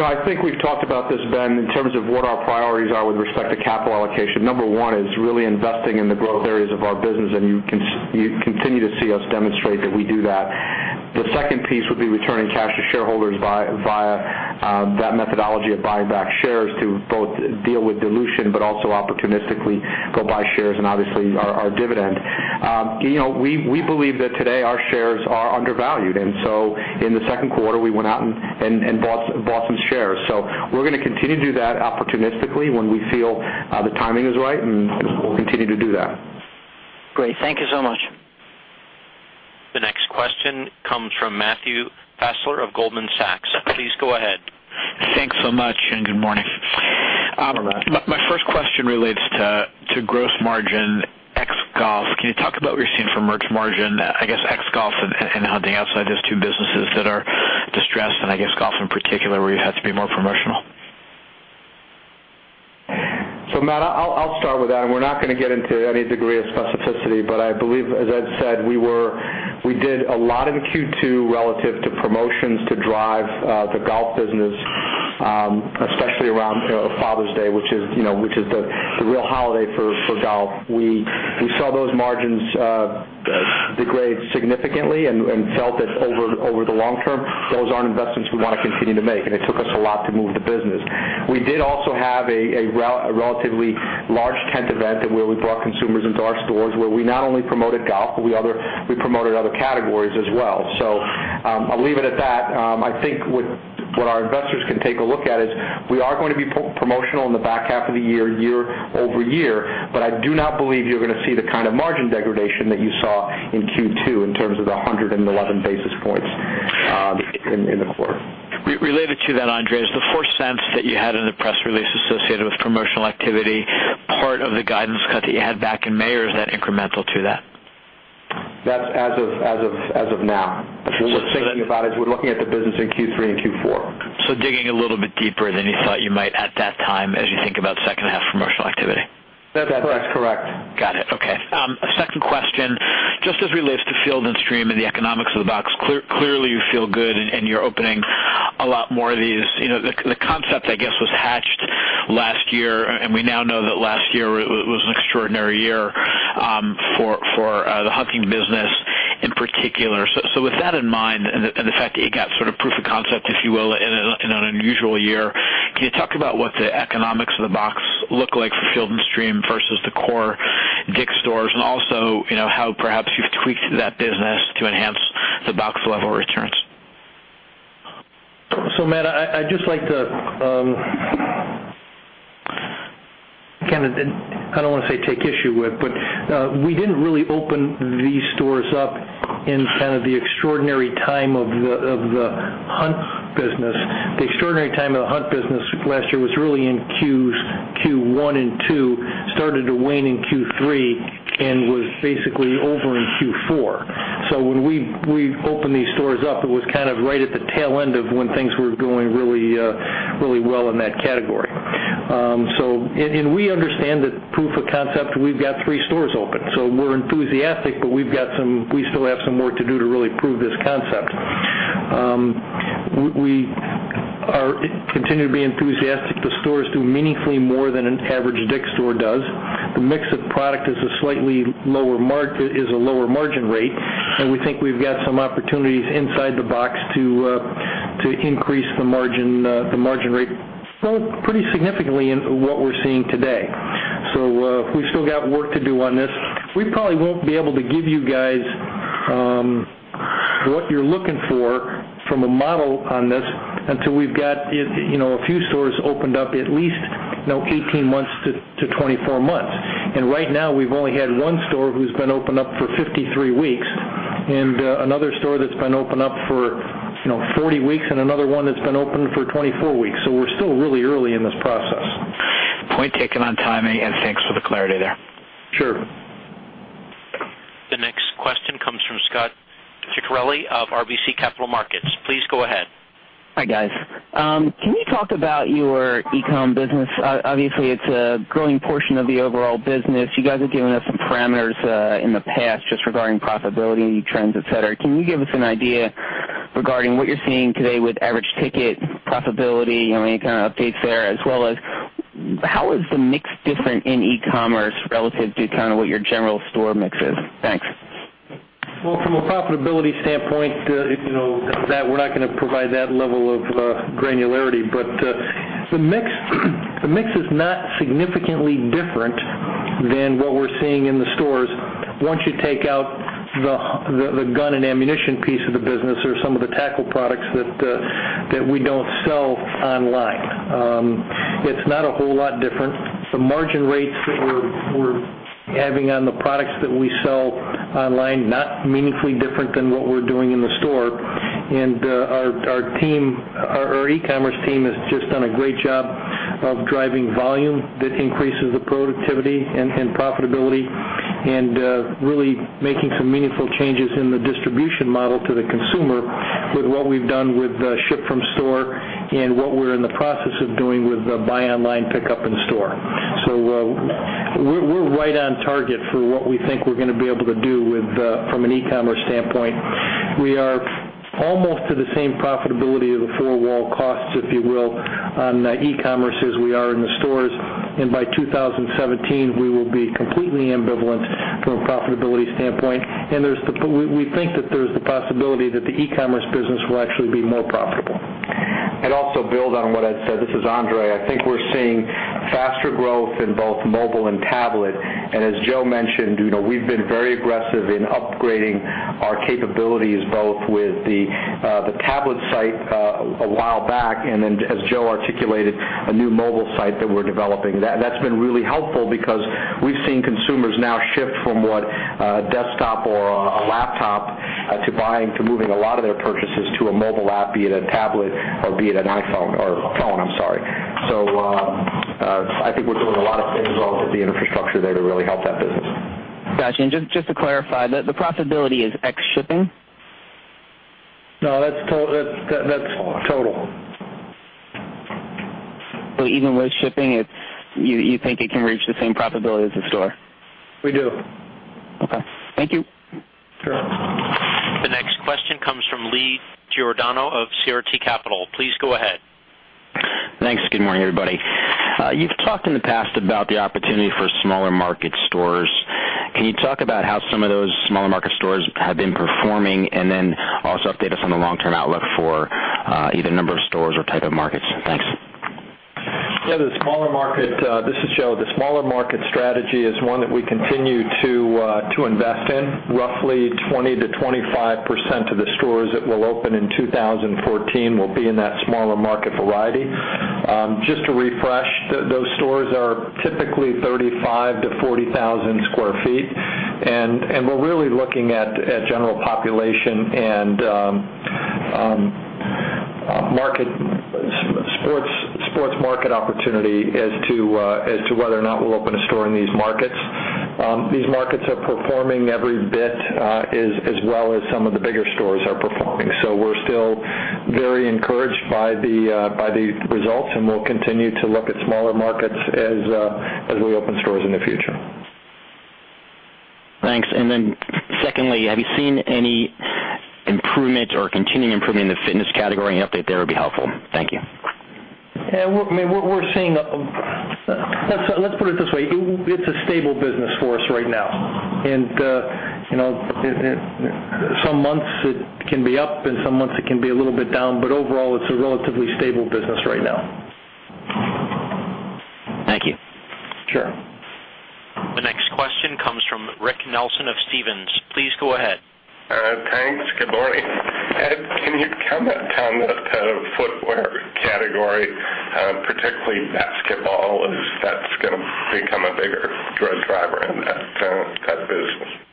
I think we've talked about this, Ben, in terms of what our priorities are with respect to capital allocation. Number one is really investing in the growth areas of our business, and you continue to see us demonstrate that we do that. The second piece would be returning cash to shareholders via that methodology of buying back shares to both deal with dilution, but also opportunistically go buy shares and obviously, our dividend. We believe that today our shares are undervalued, in the second quarter, we went out and bought some shares. We're going to continue to do that opportunistically when we feel the timing is right, and we'll continue to do that. Great. Thank you so much. The next question comes from Matthew Fassler of Goldman Sachs. Please go ahead. Thanks so much, and good morning. Good morning. My first question relates to gross margin ex golf. Can you talk about what you're seeing from merch margin, I guess, ex golf and hunting outside those two businesses that are distressed and I guess golf in particular, where you had to be more promotional? Matt, I'll start with that, and we're not going to get into any degree of specificity, but I believe, as Ed said, we did a lot in Q2 relative to promotions to drive the golf business, especially around Father's Day, which is the real holiday for golf. We saw those margins degrade significantly and felt that over the long term, those aren't investments we want to continue to make, and it took us a lot to move the business. We did also have a relatively large tent event where we brought consumers into our stores, where we not only promoted golf, but we promoted other categories as well. I'll leave it at that. I think what our investors can take a look at is we are going to be promotional in the back half of the year-over-year, but I do not believe you're going to see the kind of margin degradation that you saw in Q2 in terms of the 111 basis points in the quarter. Related to that, André, the $0.04 that you had in the press release associated with promotional activity, part of the guidance cut that you had back in May, or is that incremental to that? That's as of now. When we're thinking about it, we're looking at the business in Q3 and Q4. digging a little bit deeper than you thought you might at that time as you think about second half promotional activity. That's correct. Got it. Okay. A second question. Just as it relates to Field & Stream and the economics of the box, clearly you feel good and you're opening a lot more of these. The concept, I guess, was hatched last year, and we now know that last year was an extraordinary year for the hunting business in particular. With that in mind and the fact that it got sort of proof of concept, if you will, in an unusual year, can you talk about what the economics of the box look like for Field & Stream versus the core DICK'S stores, and also how perhaps you've tweaked that business to enhance the box level returns? Matt, I don't want to say take issue with, but we didn't really open these stores up in the extraordinary time of the hunt business. The extraordinary time of the hunt business last year was really in Q1 and 2, started to wane in Q3, and was basically over in Q4. When we opened these stores up, it was right at the tail end of when things were going really well in that category. We understand that proof of concept, we've got three stores open. We're enthusiastic, but we still have some work to do to really prove this concept. We continue to be enthusiastic. The stores do meaningfully more than an average DICK'S store does. The mix of product is a slightly lower margin rate, we think we've got some opportunities inside the box to increase the margin rate pretty significantly in what we're seeing today. We've still got work to do on this. We probably won't be able to give you guys what you're looking for from a model on this until we've got a few stores opened up at least 18 months to 24 months. Right now we've only had one store who's been opened up for 53 weeks and another store that's been opened up for 40 weeks and another one that's been open for 24 weeks. We're still really early in this process. Point taken on timing, thanks for the clarity there. Sure. The next question comes from Scot Ciccarelli of RBC Capital Markets. Please go ahead. Hi, guys. Can you talk about your e-com business? Obviously, it's a growing portion of the overall business. You guys have given us some parameters in the past just regarding profitability trends, et cetera. Can you give us an idea regarding what you're seeing today with average ticket profitability? Any kind of updates there, as well as how is the mix different in e-commerce relative to what your general store mix is? Thanks. Well, from a profitability standpoint, we're not going to provide that level of granularity. The mix is not significantly different than what we're seeing in the stores once you take out the gun and ammunition piece of the business or some of the tackle products that we don't sell online. It's not a whole lot different. The margin rates that we're having on the products that we sell online, not meaningfully different than what we're doing in the store. Our e-commerce team has just done a great job of driving volume that increases the productivity and profitability and really making some meaningful changes in the distribution model to the consumer with what we've done with ship-from-store and what we're in the process of doing with the buy online, pickup in store. We're right on target for what we think we're going to be able to do from an e-commerce standpoint. We are almost to the same profitability of the four wall costs, if you will, on the e-commerce as we are in the stores. By 2017, we will be completely ambivalent from a profitability standpoint. We think that there's the possibility that the e-commerce business will actually be more profitable. Also build on what Ed said, this is André. I think we're seeing faster growth in both mobile and tablet. As Joe mentioned, we've been very aggressive in upgrading our capabilities, both with the tablet site a while back, and then, as Joe articulated, a new mobile site that we're developing. That's been really helpful because we've seen consumers now shift from what desktop or a laptop to buying, to moving a lot of their purchases to a mobile app, be it a tablet or be it a phone. I think we're doing a lot of things also with the infrastructure there to really help that business. Got you. Just to clarify, the profitability is ex shipping? No, that's total. Even with shipping, you think it can reach the same profitability as a store? We do. Okay. Thank you. Sure. The next question comes from Lee Giordano of CRT Capital. Please go ahead. Thanks. Good morning, everybody. You've talked in the past about the opportunity for smaller market stores. Can you talk about how some of those smaller market stores have been performing, and then also update us on the long-term outlook for either number of stores or type of markets? Thanks. Yeah, the smaller market— this is Joe. The smaller market strategy is one that we continue to invest in. Roughly 20%-25% of the stores that we'll open in 2014 will be in that smaller market variety. Just to refresh, those stores are typically 35,000-40,000 sq ft, and we're really looking at general population and sports market opportunity as to whether or not we'll open a store in these markets. These markets are performing every bit as well as some of the bigger stores are performing. We're still very encouraged by the results, and we'll continue to look at smaller markets as we open stores in the future. Thanks. Then secondly, have you seen any improvement or continuing improvement in the fitness category? An update there would be helpful. Thank you. Yeah. Let's put it this way. It's a stable business for us right now. Some months it can be up and some months it can be a little bit down, but overall, it's a relatively stable business right now. Thank you. Sure. The next question comes from Rick Nelson of Stephens. Please go ahead. Thanks. Good morning. Ed, can you comment on the footwear category, particularly basketball, if that's going to become a bigger growth driver in that business?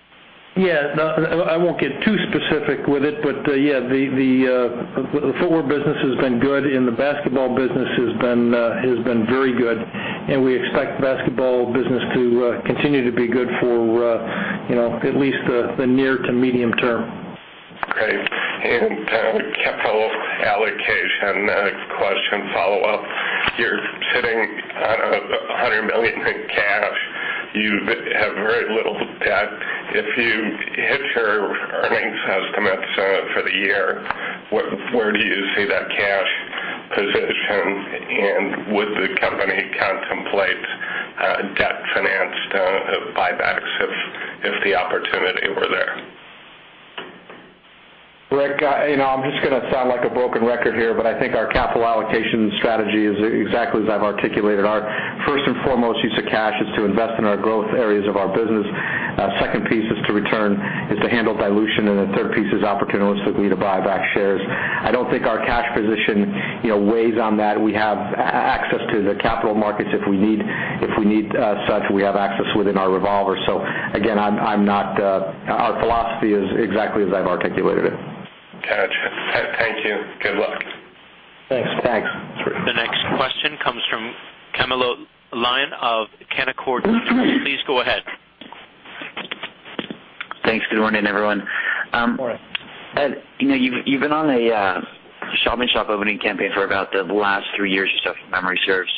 Yeah. I won't get too specific with it, but yeah, the footwear business has been good, and the basketball business has been very good, and we expect basketball business to continue to be good for at least the near to medium term. Great. Capital allocation. Next question, follow-up. You're sitting on $100 million in cash. You have very little debt. If you hit your earnings estimates for the year, where do you see that cash position, and would the company contemplate debt-financed buybacks if the opportunity were there? Rick, I'm just going to sound like a broken record here, I think our capital allocation strategy is exactly as I've articulated. Our first and foremost use of cash is to invest in our growth areas of our business. Second piece is to handle dilution, and the third piece is opportunistically to buy back shares. I don't think our cash position weighs on that. We have access to the capital markets if we need such. We have access within our revolvers. Again, our philosophy is exactly as I've articulated it. Gotcha. Thank you. Good luck. Thanks. Thanks. The next question comes from Camilo Lyon of Canaccord. Please go ahead. Thanks. Good morning, everyone. Morning. Ed, you've been on a shop-in-shop opening campaign for about the last three years or so, if memory serves.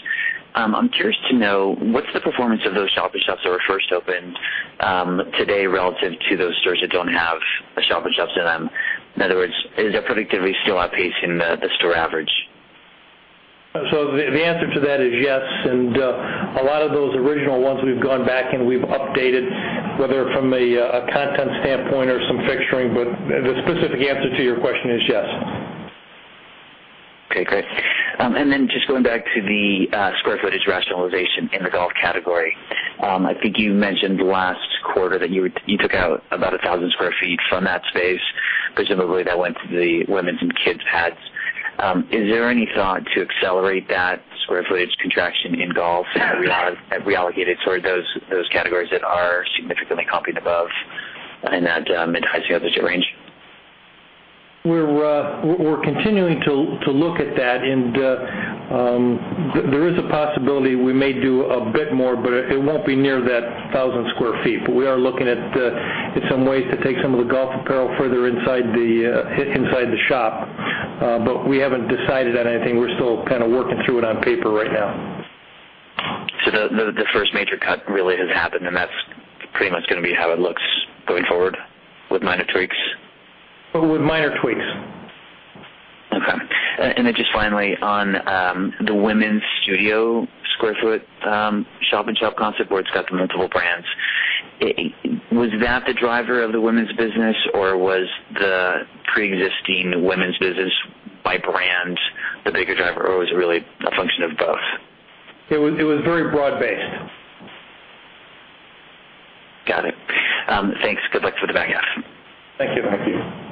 I'm curious to know what's the performance of those shop-in-shops that were first opened today relative to those stores that don't have a shop-in-shop in them? In other words, is their productivity still outpacing the store average? The answer to that is yes. A lot of those original ones, we've gone back and we've updated, whether from a content standpoint or some fixturing. The specific answer to your question is yes. Okay, great. Just going back to the square footage rationalization in the golf category. I think you mentioned last quarter that you took out about 1,000 sq ft from that space, presumably that went to the women's and kids' pads. Is there any thought to accelerate that square footage contraction in golf and reallocate it toward those categories that are significantly comping above in that mid to high single digit range? We're continuing to look at that, and there is a possibility we may do a bit more, but it won't be near that 1,000 sq ft. We are looking at some ways to take some of the golf apparel further inside the shop. We haven't decided on anything. We're still working through it on paper right now. The first major cut really has happened, and that's pretty much going to be how it looks going forward with minor tweaks? With minor tweaks. Okay. Just finally, on the women's studio square foot shop-in-shop concept where it's got the multiple brands. Was that the driver of the women's business, or was the preexisting women's business by brand the bigger driver, or was it really a function of both? It was very broad-based. Got it. Thanks. Good luck for the back half. Thank you, Matthew.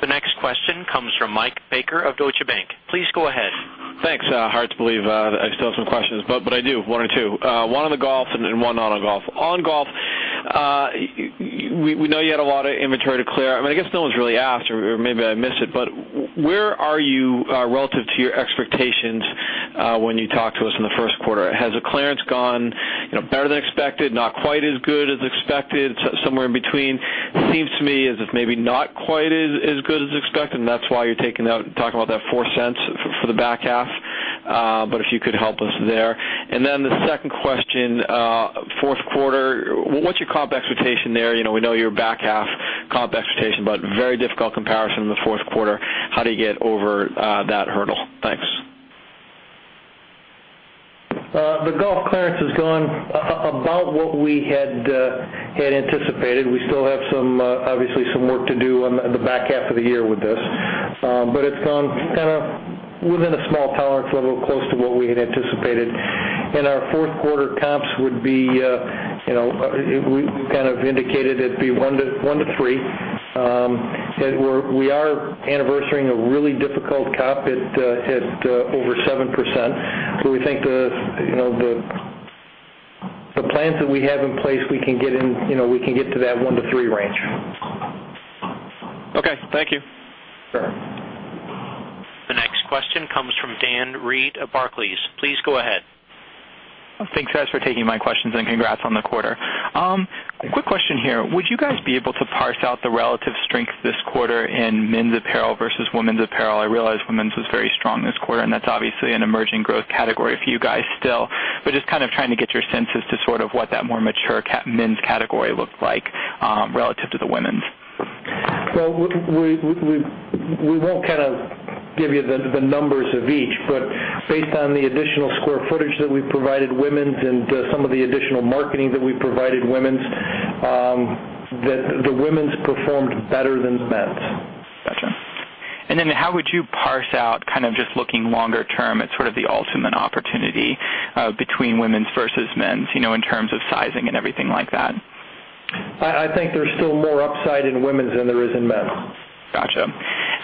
The next question comes from Michael Baker of Deutsche Bank. Please go ahead. Thanks. Hard to believe that I still have some questions. I do, one or two. One on the golf and one not on golf. On golf, we know you had a lot of inventory to clear. I guess no one's really asked, or maybe I missed it, where are you relative to your expectations when you talked to us in the first quarter? Has the clearance gone better than expected, not quite as good as expected, somewhere in between? Seems to me as if maybe not quite as good as expected, that's why you're talking about that $0.04 for the back half. If you could help us there. The second question, fourth quarter, what's your comp expectation there? We know your back half comp expectation, very difficult comparison in the fourth quarter. How do you get over that hurdle? Thanks. The golf clearance has gone about what we had anticipated. We still have, obviously, some work to do on the back half of the year with this. It's gone within a small tolerance level, close to what we had anticipated. Our fourth quarter comps would be, we indicated it'd be one to three. We are anniversarying a really difficult comp at over 7%. We think the plans that we have in place, we can get to that one to three range. Okay. Thank you. Sure. The next question comes from Dan Wewer of Barclays. Please go ahead. Thanks, guys, for taking my questions. Congrats on the quarter. Quick question here. Would you guys be able to parse out the relative strength this quarter in men's apparel versus women's apparel? I realize women's was very strong this quarter, and that's obviously an emerging growth category for you guys still. Just trying to get your sense as to what that more mature men's category looked like relative to the women's. We won't give you the numbers of each. Based on the additional square footage that we provided women's and some of the additional marketing that we provided women's, the women's performed better than the men's. Got you. Then how would you parse out, just looking longer term at sort of the ultimate opportunity, between women's versus men's, in terms of sizing and everything like that? I think there's still more upside in women's than there is in men's. Got you.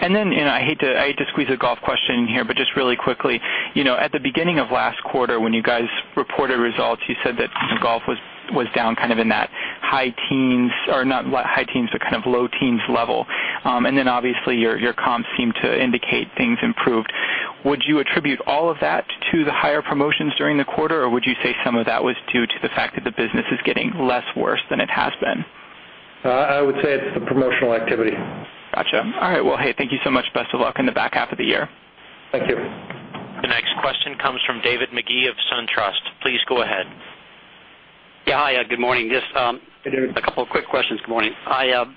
Then, I hate to squeeze a golf question in here, just really quickly. At the beginning of last quarter, when you guys reported results, you said that golf was down in that high teens, or not high teens, but low teens level. Then obviously, your comps seemed to indicate things improved. Would you attribute all of that to the higher promotions during the quarter, or would you say some of that was due to the fact that the business is getting less worse than it has been? I would say it's the promotional activity. Got you. All right. Well, hey, thank you so much. Best of luck in the back half of the year. Thank you. The next question comes from David Magee of SunTrust. Please go ahead. Yeah. Hi, good morning. Hey, David. Just a couple of quick questions. Good morning. Have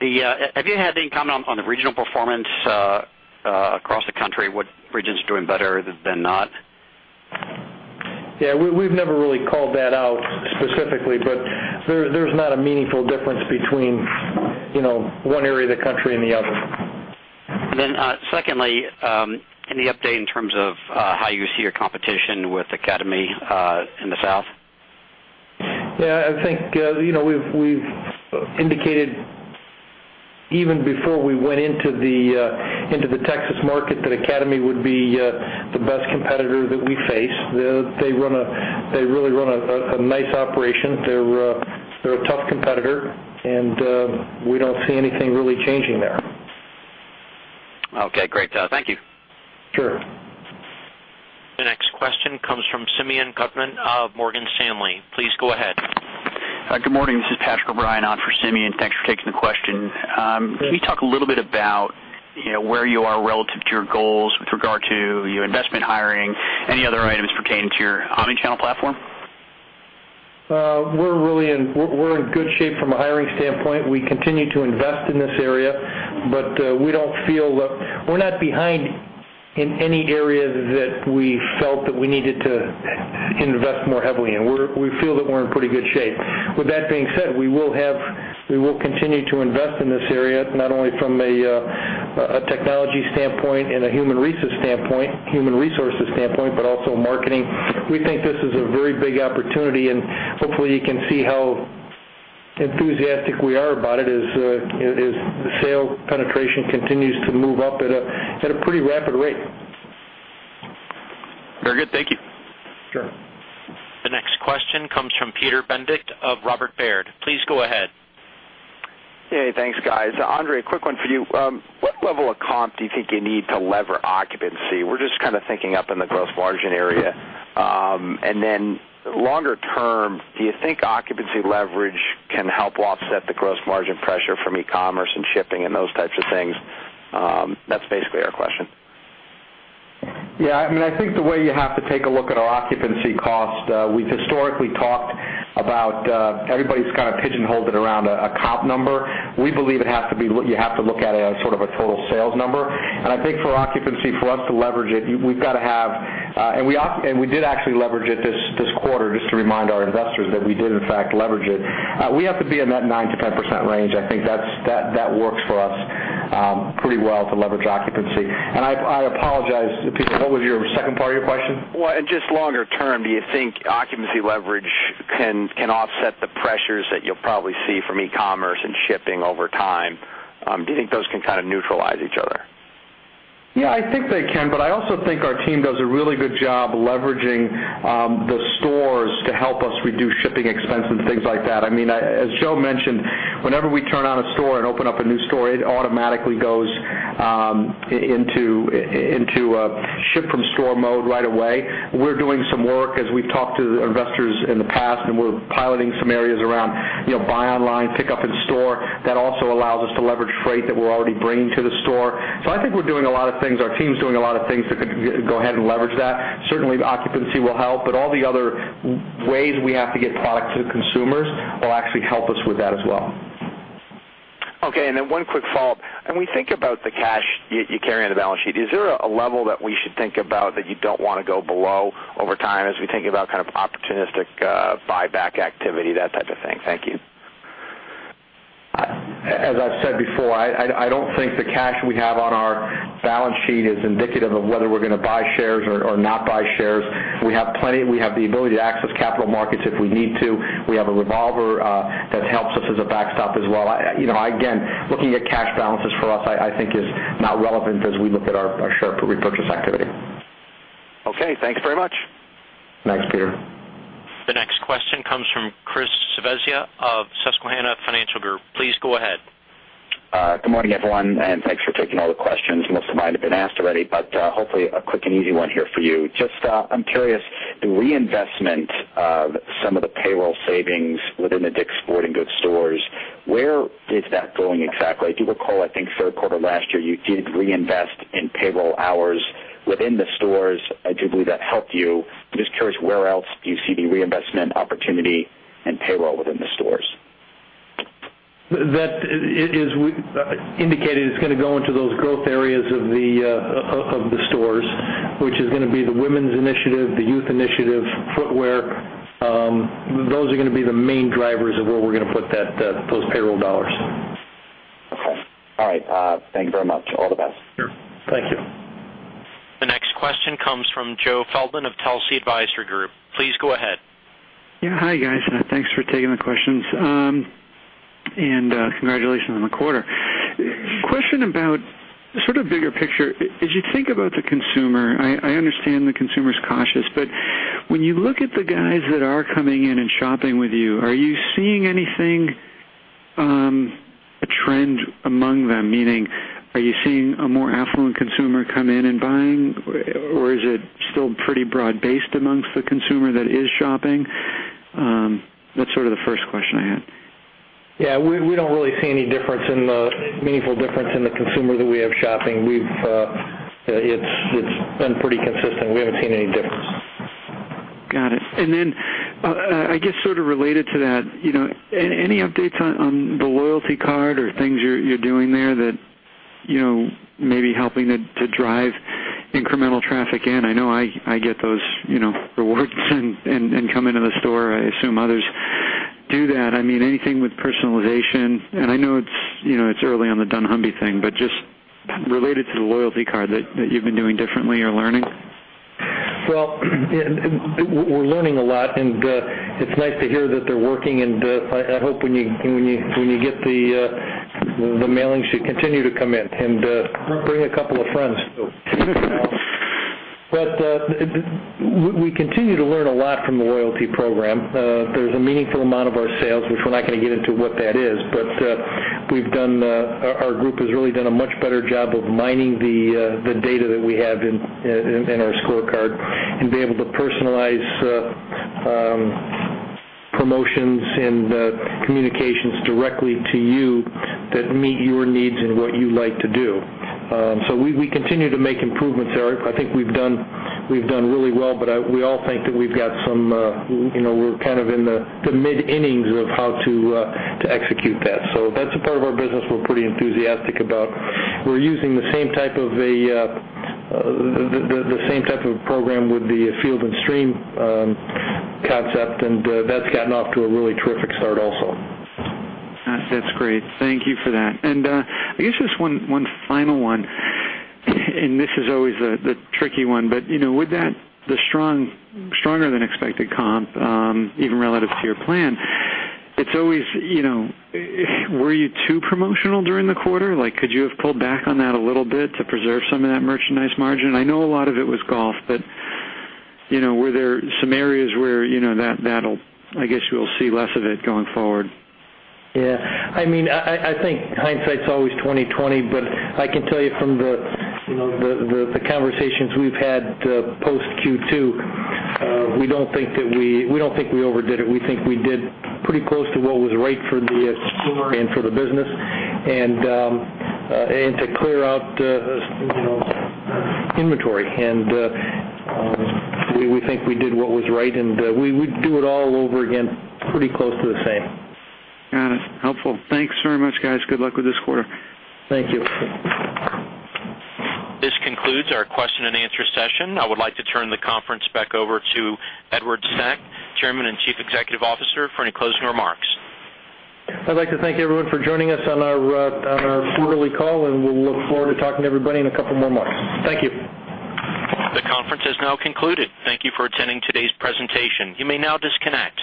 you had any comment on the regional performance across the country? What regions are doing better than not? Yeah, we've never really called that out specifically. There's not a meaningful difference between one area of the country and the other. Secondly, any update in terms of how you see your competition with Academy in the South? I think, we've indicated even before we went into the Texas market that Academy would be the best competitor that we face. They really run a nice operation. They're a tough competitor. We don't see anything really changing there. Okay, great. Thank you. Sure. The next question comes from Simeon Gutman of Morgan Stanley. Please go ahead. Good morning. This is Paschael Bryan on for Simeon. Thanks for taking the question. Yeah. Can you talk a little bit about where you are relative to your goals with regard to your investment hiring, any other items pertaining to your omnichannel platform? We're in good shape from a hiring standpoint. We continue to invest in this area. We're not behind in any areas that we felt that we needed to invest more heavily in. We feel that we're in pretty good shape. With that being said, we will continue to invest in this area, not only from a technology standpoint and a human resources standpoint, but also marketing. We think this is a very big opportunity. Hopefully, you can see how enthusiastic we are about it as the sales penetration continues to move up at a pretty rapid rate. Very good. Thank you. Sure. The next question comes from Peter Benedict of Robert W. Baird. Please go ahead. Hey, thanks, guys. André, a quick one for you. What level of comp do you think you need to lever occupancy? We're just thinking up in the gross margin area. Longer term, do you think occupancy leverage can help offset the gross margin pressure from e-commerce and shipping and those types of things? That's basically our question. Yeah. I think the way you have to take a look at our occupancy cost, we've historically talked about everybody's kind of pigeonholed it around a comp number. We believe you have to look at it as sort of a total sales number. I think for occupancy, for us to leverage it, and we did actually leverage it this quarter, just to remind our investors that we did in fact leverage it. We have to be in that 9%-10% range. I think that works for us pretty well to leverage occupancy. I apologize, Peter, what was your second part of your question? Just longer term, do you think occupancy leverage can offset the pressures that you'll probably see from e-commerce and shipping over time? Do you think those can kind of neutralize each other? Yeah, I think they can, but I also think our team does a really good job leveraging the stores to help us reduce shipping expense and things like that. As Joe mentioned, whenever we turn on a store and open up a new store, it automatically goes into ship-from-store mode right away. We're doing some work, as we've talked to investors in the past, and we're piloting some areas around buy online, pickup in store. That also allows us to leverage freight that we're already bringing to the store. I think we're doing a lot of things. Our team's doing a lot of things to go ahead and leverage that. Certainly, occupancy will help, but all the other ways we have to get product to the consumers will actually help us with that as well. Okay. One quick follow-up. When we think about the cash you carry on the balance sheet, is there a level that we should think about that you don't want to go below over time as we think about opportunistic buyback activity, that type of thing? Thank you. As I've said before, I don't think the cash we have on our balance sheet is indicative of whether we're going to buy shares or not buy shares. We have the ability to access capital markets if we need to. We have a revolver that helps us as a backstop as well. Again, looking at cash balances for us, I think is not relevant as we look at our share repurchase activity. Okay, thanks very much. Thanks, Peter. The next question comes from Christopher Svezia of Susquehanna Financial Group. Please go ahead. Good morning, everyone, and thanks for taking all the questions. Most of mine have been asked already, but hopefully a quick and easy one here for you. I'm curious, the reinvestment of some of the payroll savings within the DICK'S Sporting Goods stores, where is that going exactly? I do recall, I think third quarter last year, you did reinvest in payroll hours within the stores. I do believe that helped you. I'm just curious, where else do you see the reinvestment opportunity and payroll within the stores? As we indicated, it's going to go into those growth areas of the stores, which is going to be the women's initiative, the youth initiative, footwear. Those are going to be the main drivers of where we're going to put those payroll dollars. Okay. All right. Thank you very much. All the best. Sure. Thank you. The next question comes from Joseph Feldman of Telsey Advisory Group. Please go ahead. Yeah. Hi, guys. Thanks for taking the questions. Congratulations on the quarter. Question about sort of bigger picture. As you think about the consumer, I understand the consumer's cautious, when you look at the guys that are coming in and shopping with you, are you seeing anything, a trend among them, meaning are you seeing a more affluent consumer come in and buying, or is it still pretty broad-based amongst the consumer that is shopping? That's sort of the first question I had. Yeah, we don't really see any meaningful difference in the consumer that we have shopping. It's been pretty consistent. We haven't seen any difference. Got it. I guess sort of related to that, any updates on the loyalty card or things you're doing there that may be helping to drive incremental traffic in? I know I get those rewards and come into the store. I assume others do that. Anything with personalization, I know it's early on the dunnhumby thing, but just related to the loyalty card that you've been doing differently or learning? We're learning a lot, it's nice to hear that they're working, I hope when you get the mailing should continue to come in and bring a couple of friends too. We continue to learn a lot from the loyalty program. There's a meaningful amount of our sales, which we're not going to get into what that is, but our group has really done a much better job of mining the data that we have in our ScoreCard and be able to personalize promotions and communications directly to you that meet your needs and what you like to do. We continue to make improvements there. I think we've done really well, but we all think that we're kind of in the mid-innings of how to execute that. That's a part of our business we're pretty enthusiastic about. We're using the same type of program with the Field & Stream concept, that's gotten off to a really terrific start also. That's great. Thank you for that. I guess just one final one, and this is always the tricky one, but with the stronger than expected comp, even relative to your plan, were you too promotional during the quarter? Could you have pulled back on that a little bit to preserve some of that merchandise margin? I know a lot of it was golf, but were there some areas where I guess you'll see less of it going forward? Yeah. I think hindsight's always 2020. I can tell you from the conversations we've had post Q2, we don't think we overdid it. We think we did pretty close to what was right for the consumer and for the business, and to clear out inventory. We think we did what was right, and we would do it all over again, pretty close to the same. Got it. Helpful. Thanks very much, guys. Good luck with this quarter. Thank you. This concludes our question and answer session. I would like to turn the conference back over to Edward Stack, Chairman and Chief Executive Officer, for any closing remarks. I'd like to thank everyone for joining us on our quarterly call. We'll look forward to talking to everybody in a couple more months. Thank you. The conference has now concluded. Thank you for attending today's presentation. You may now disconnect.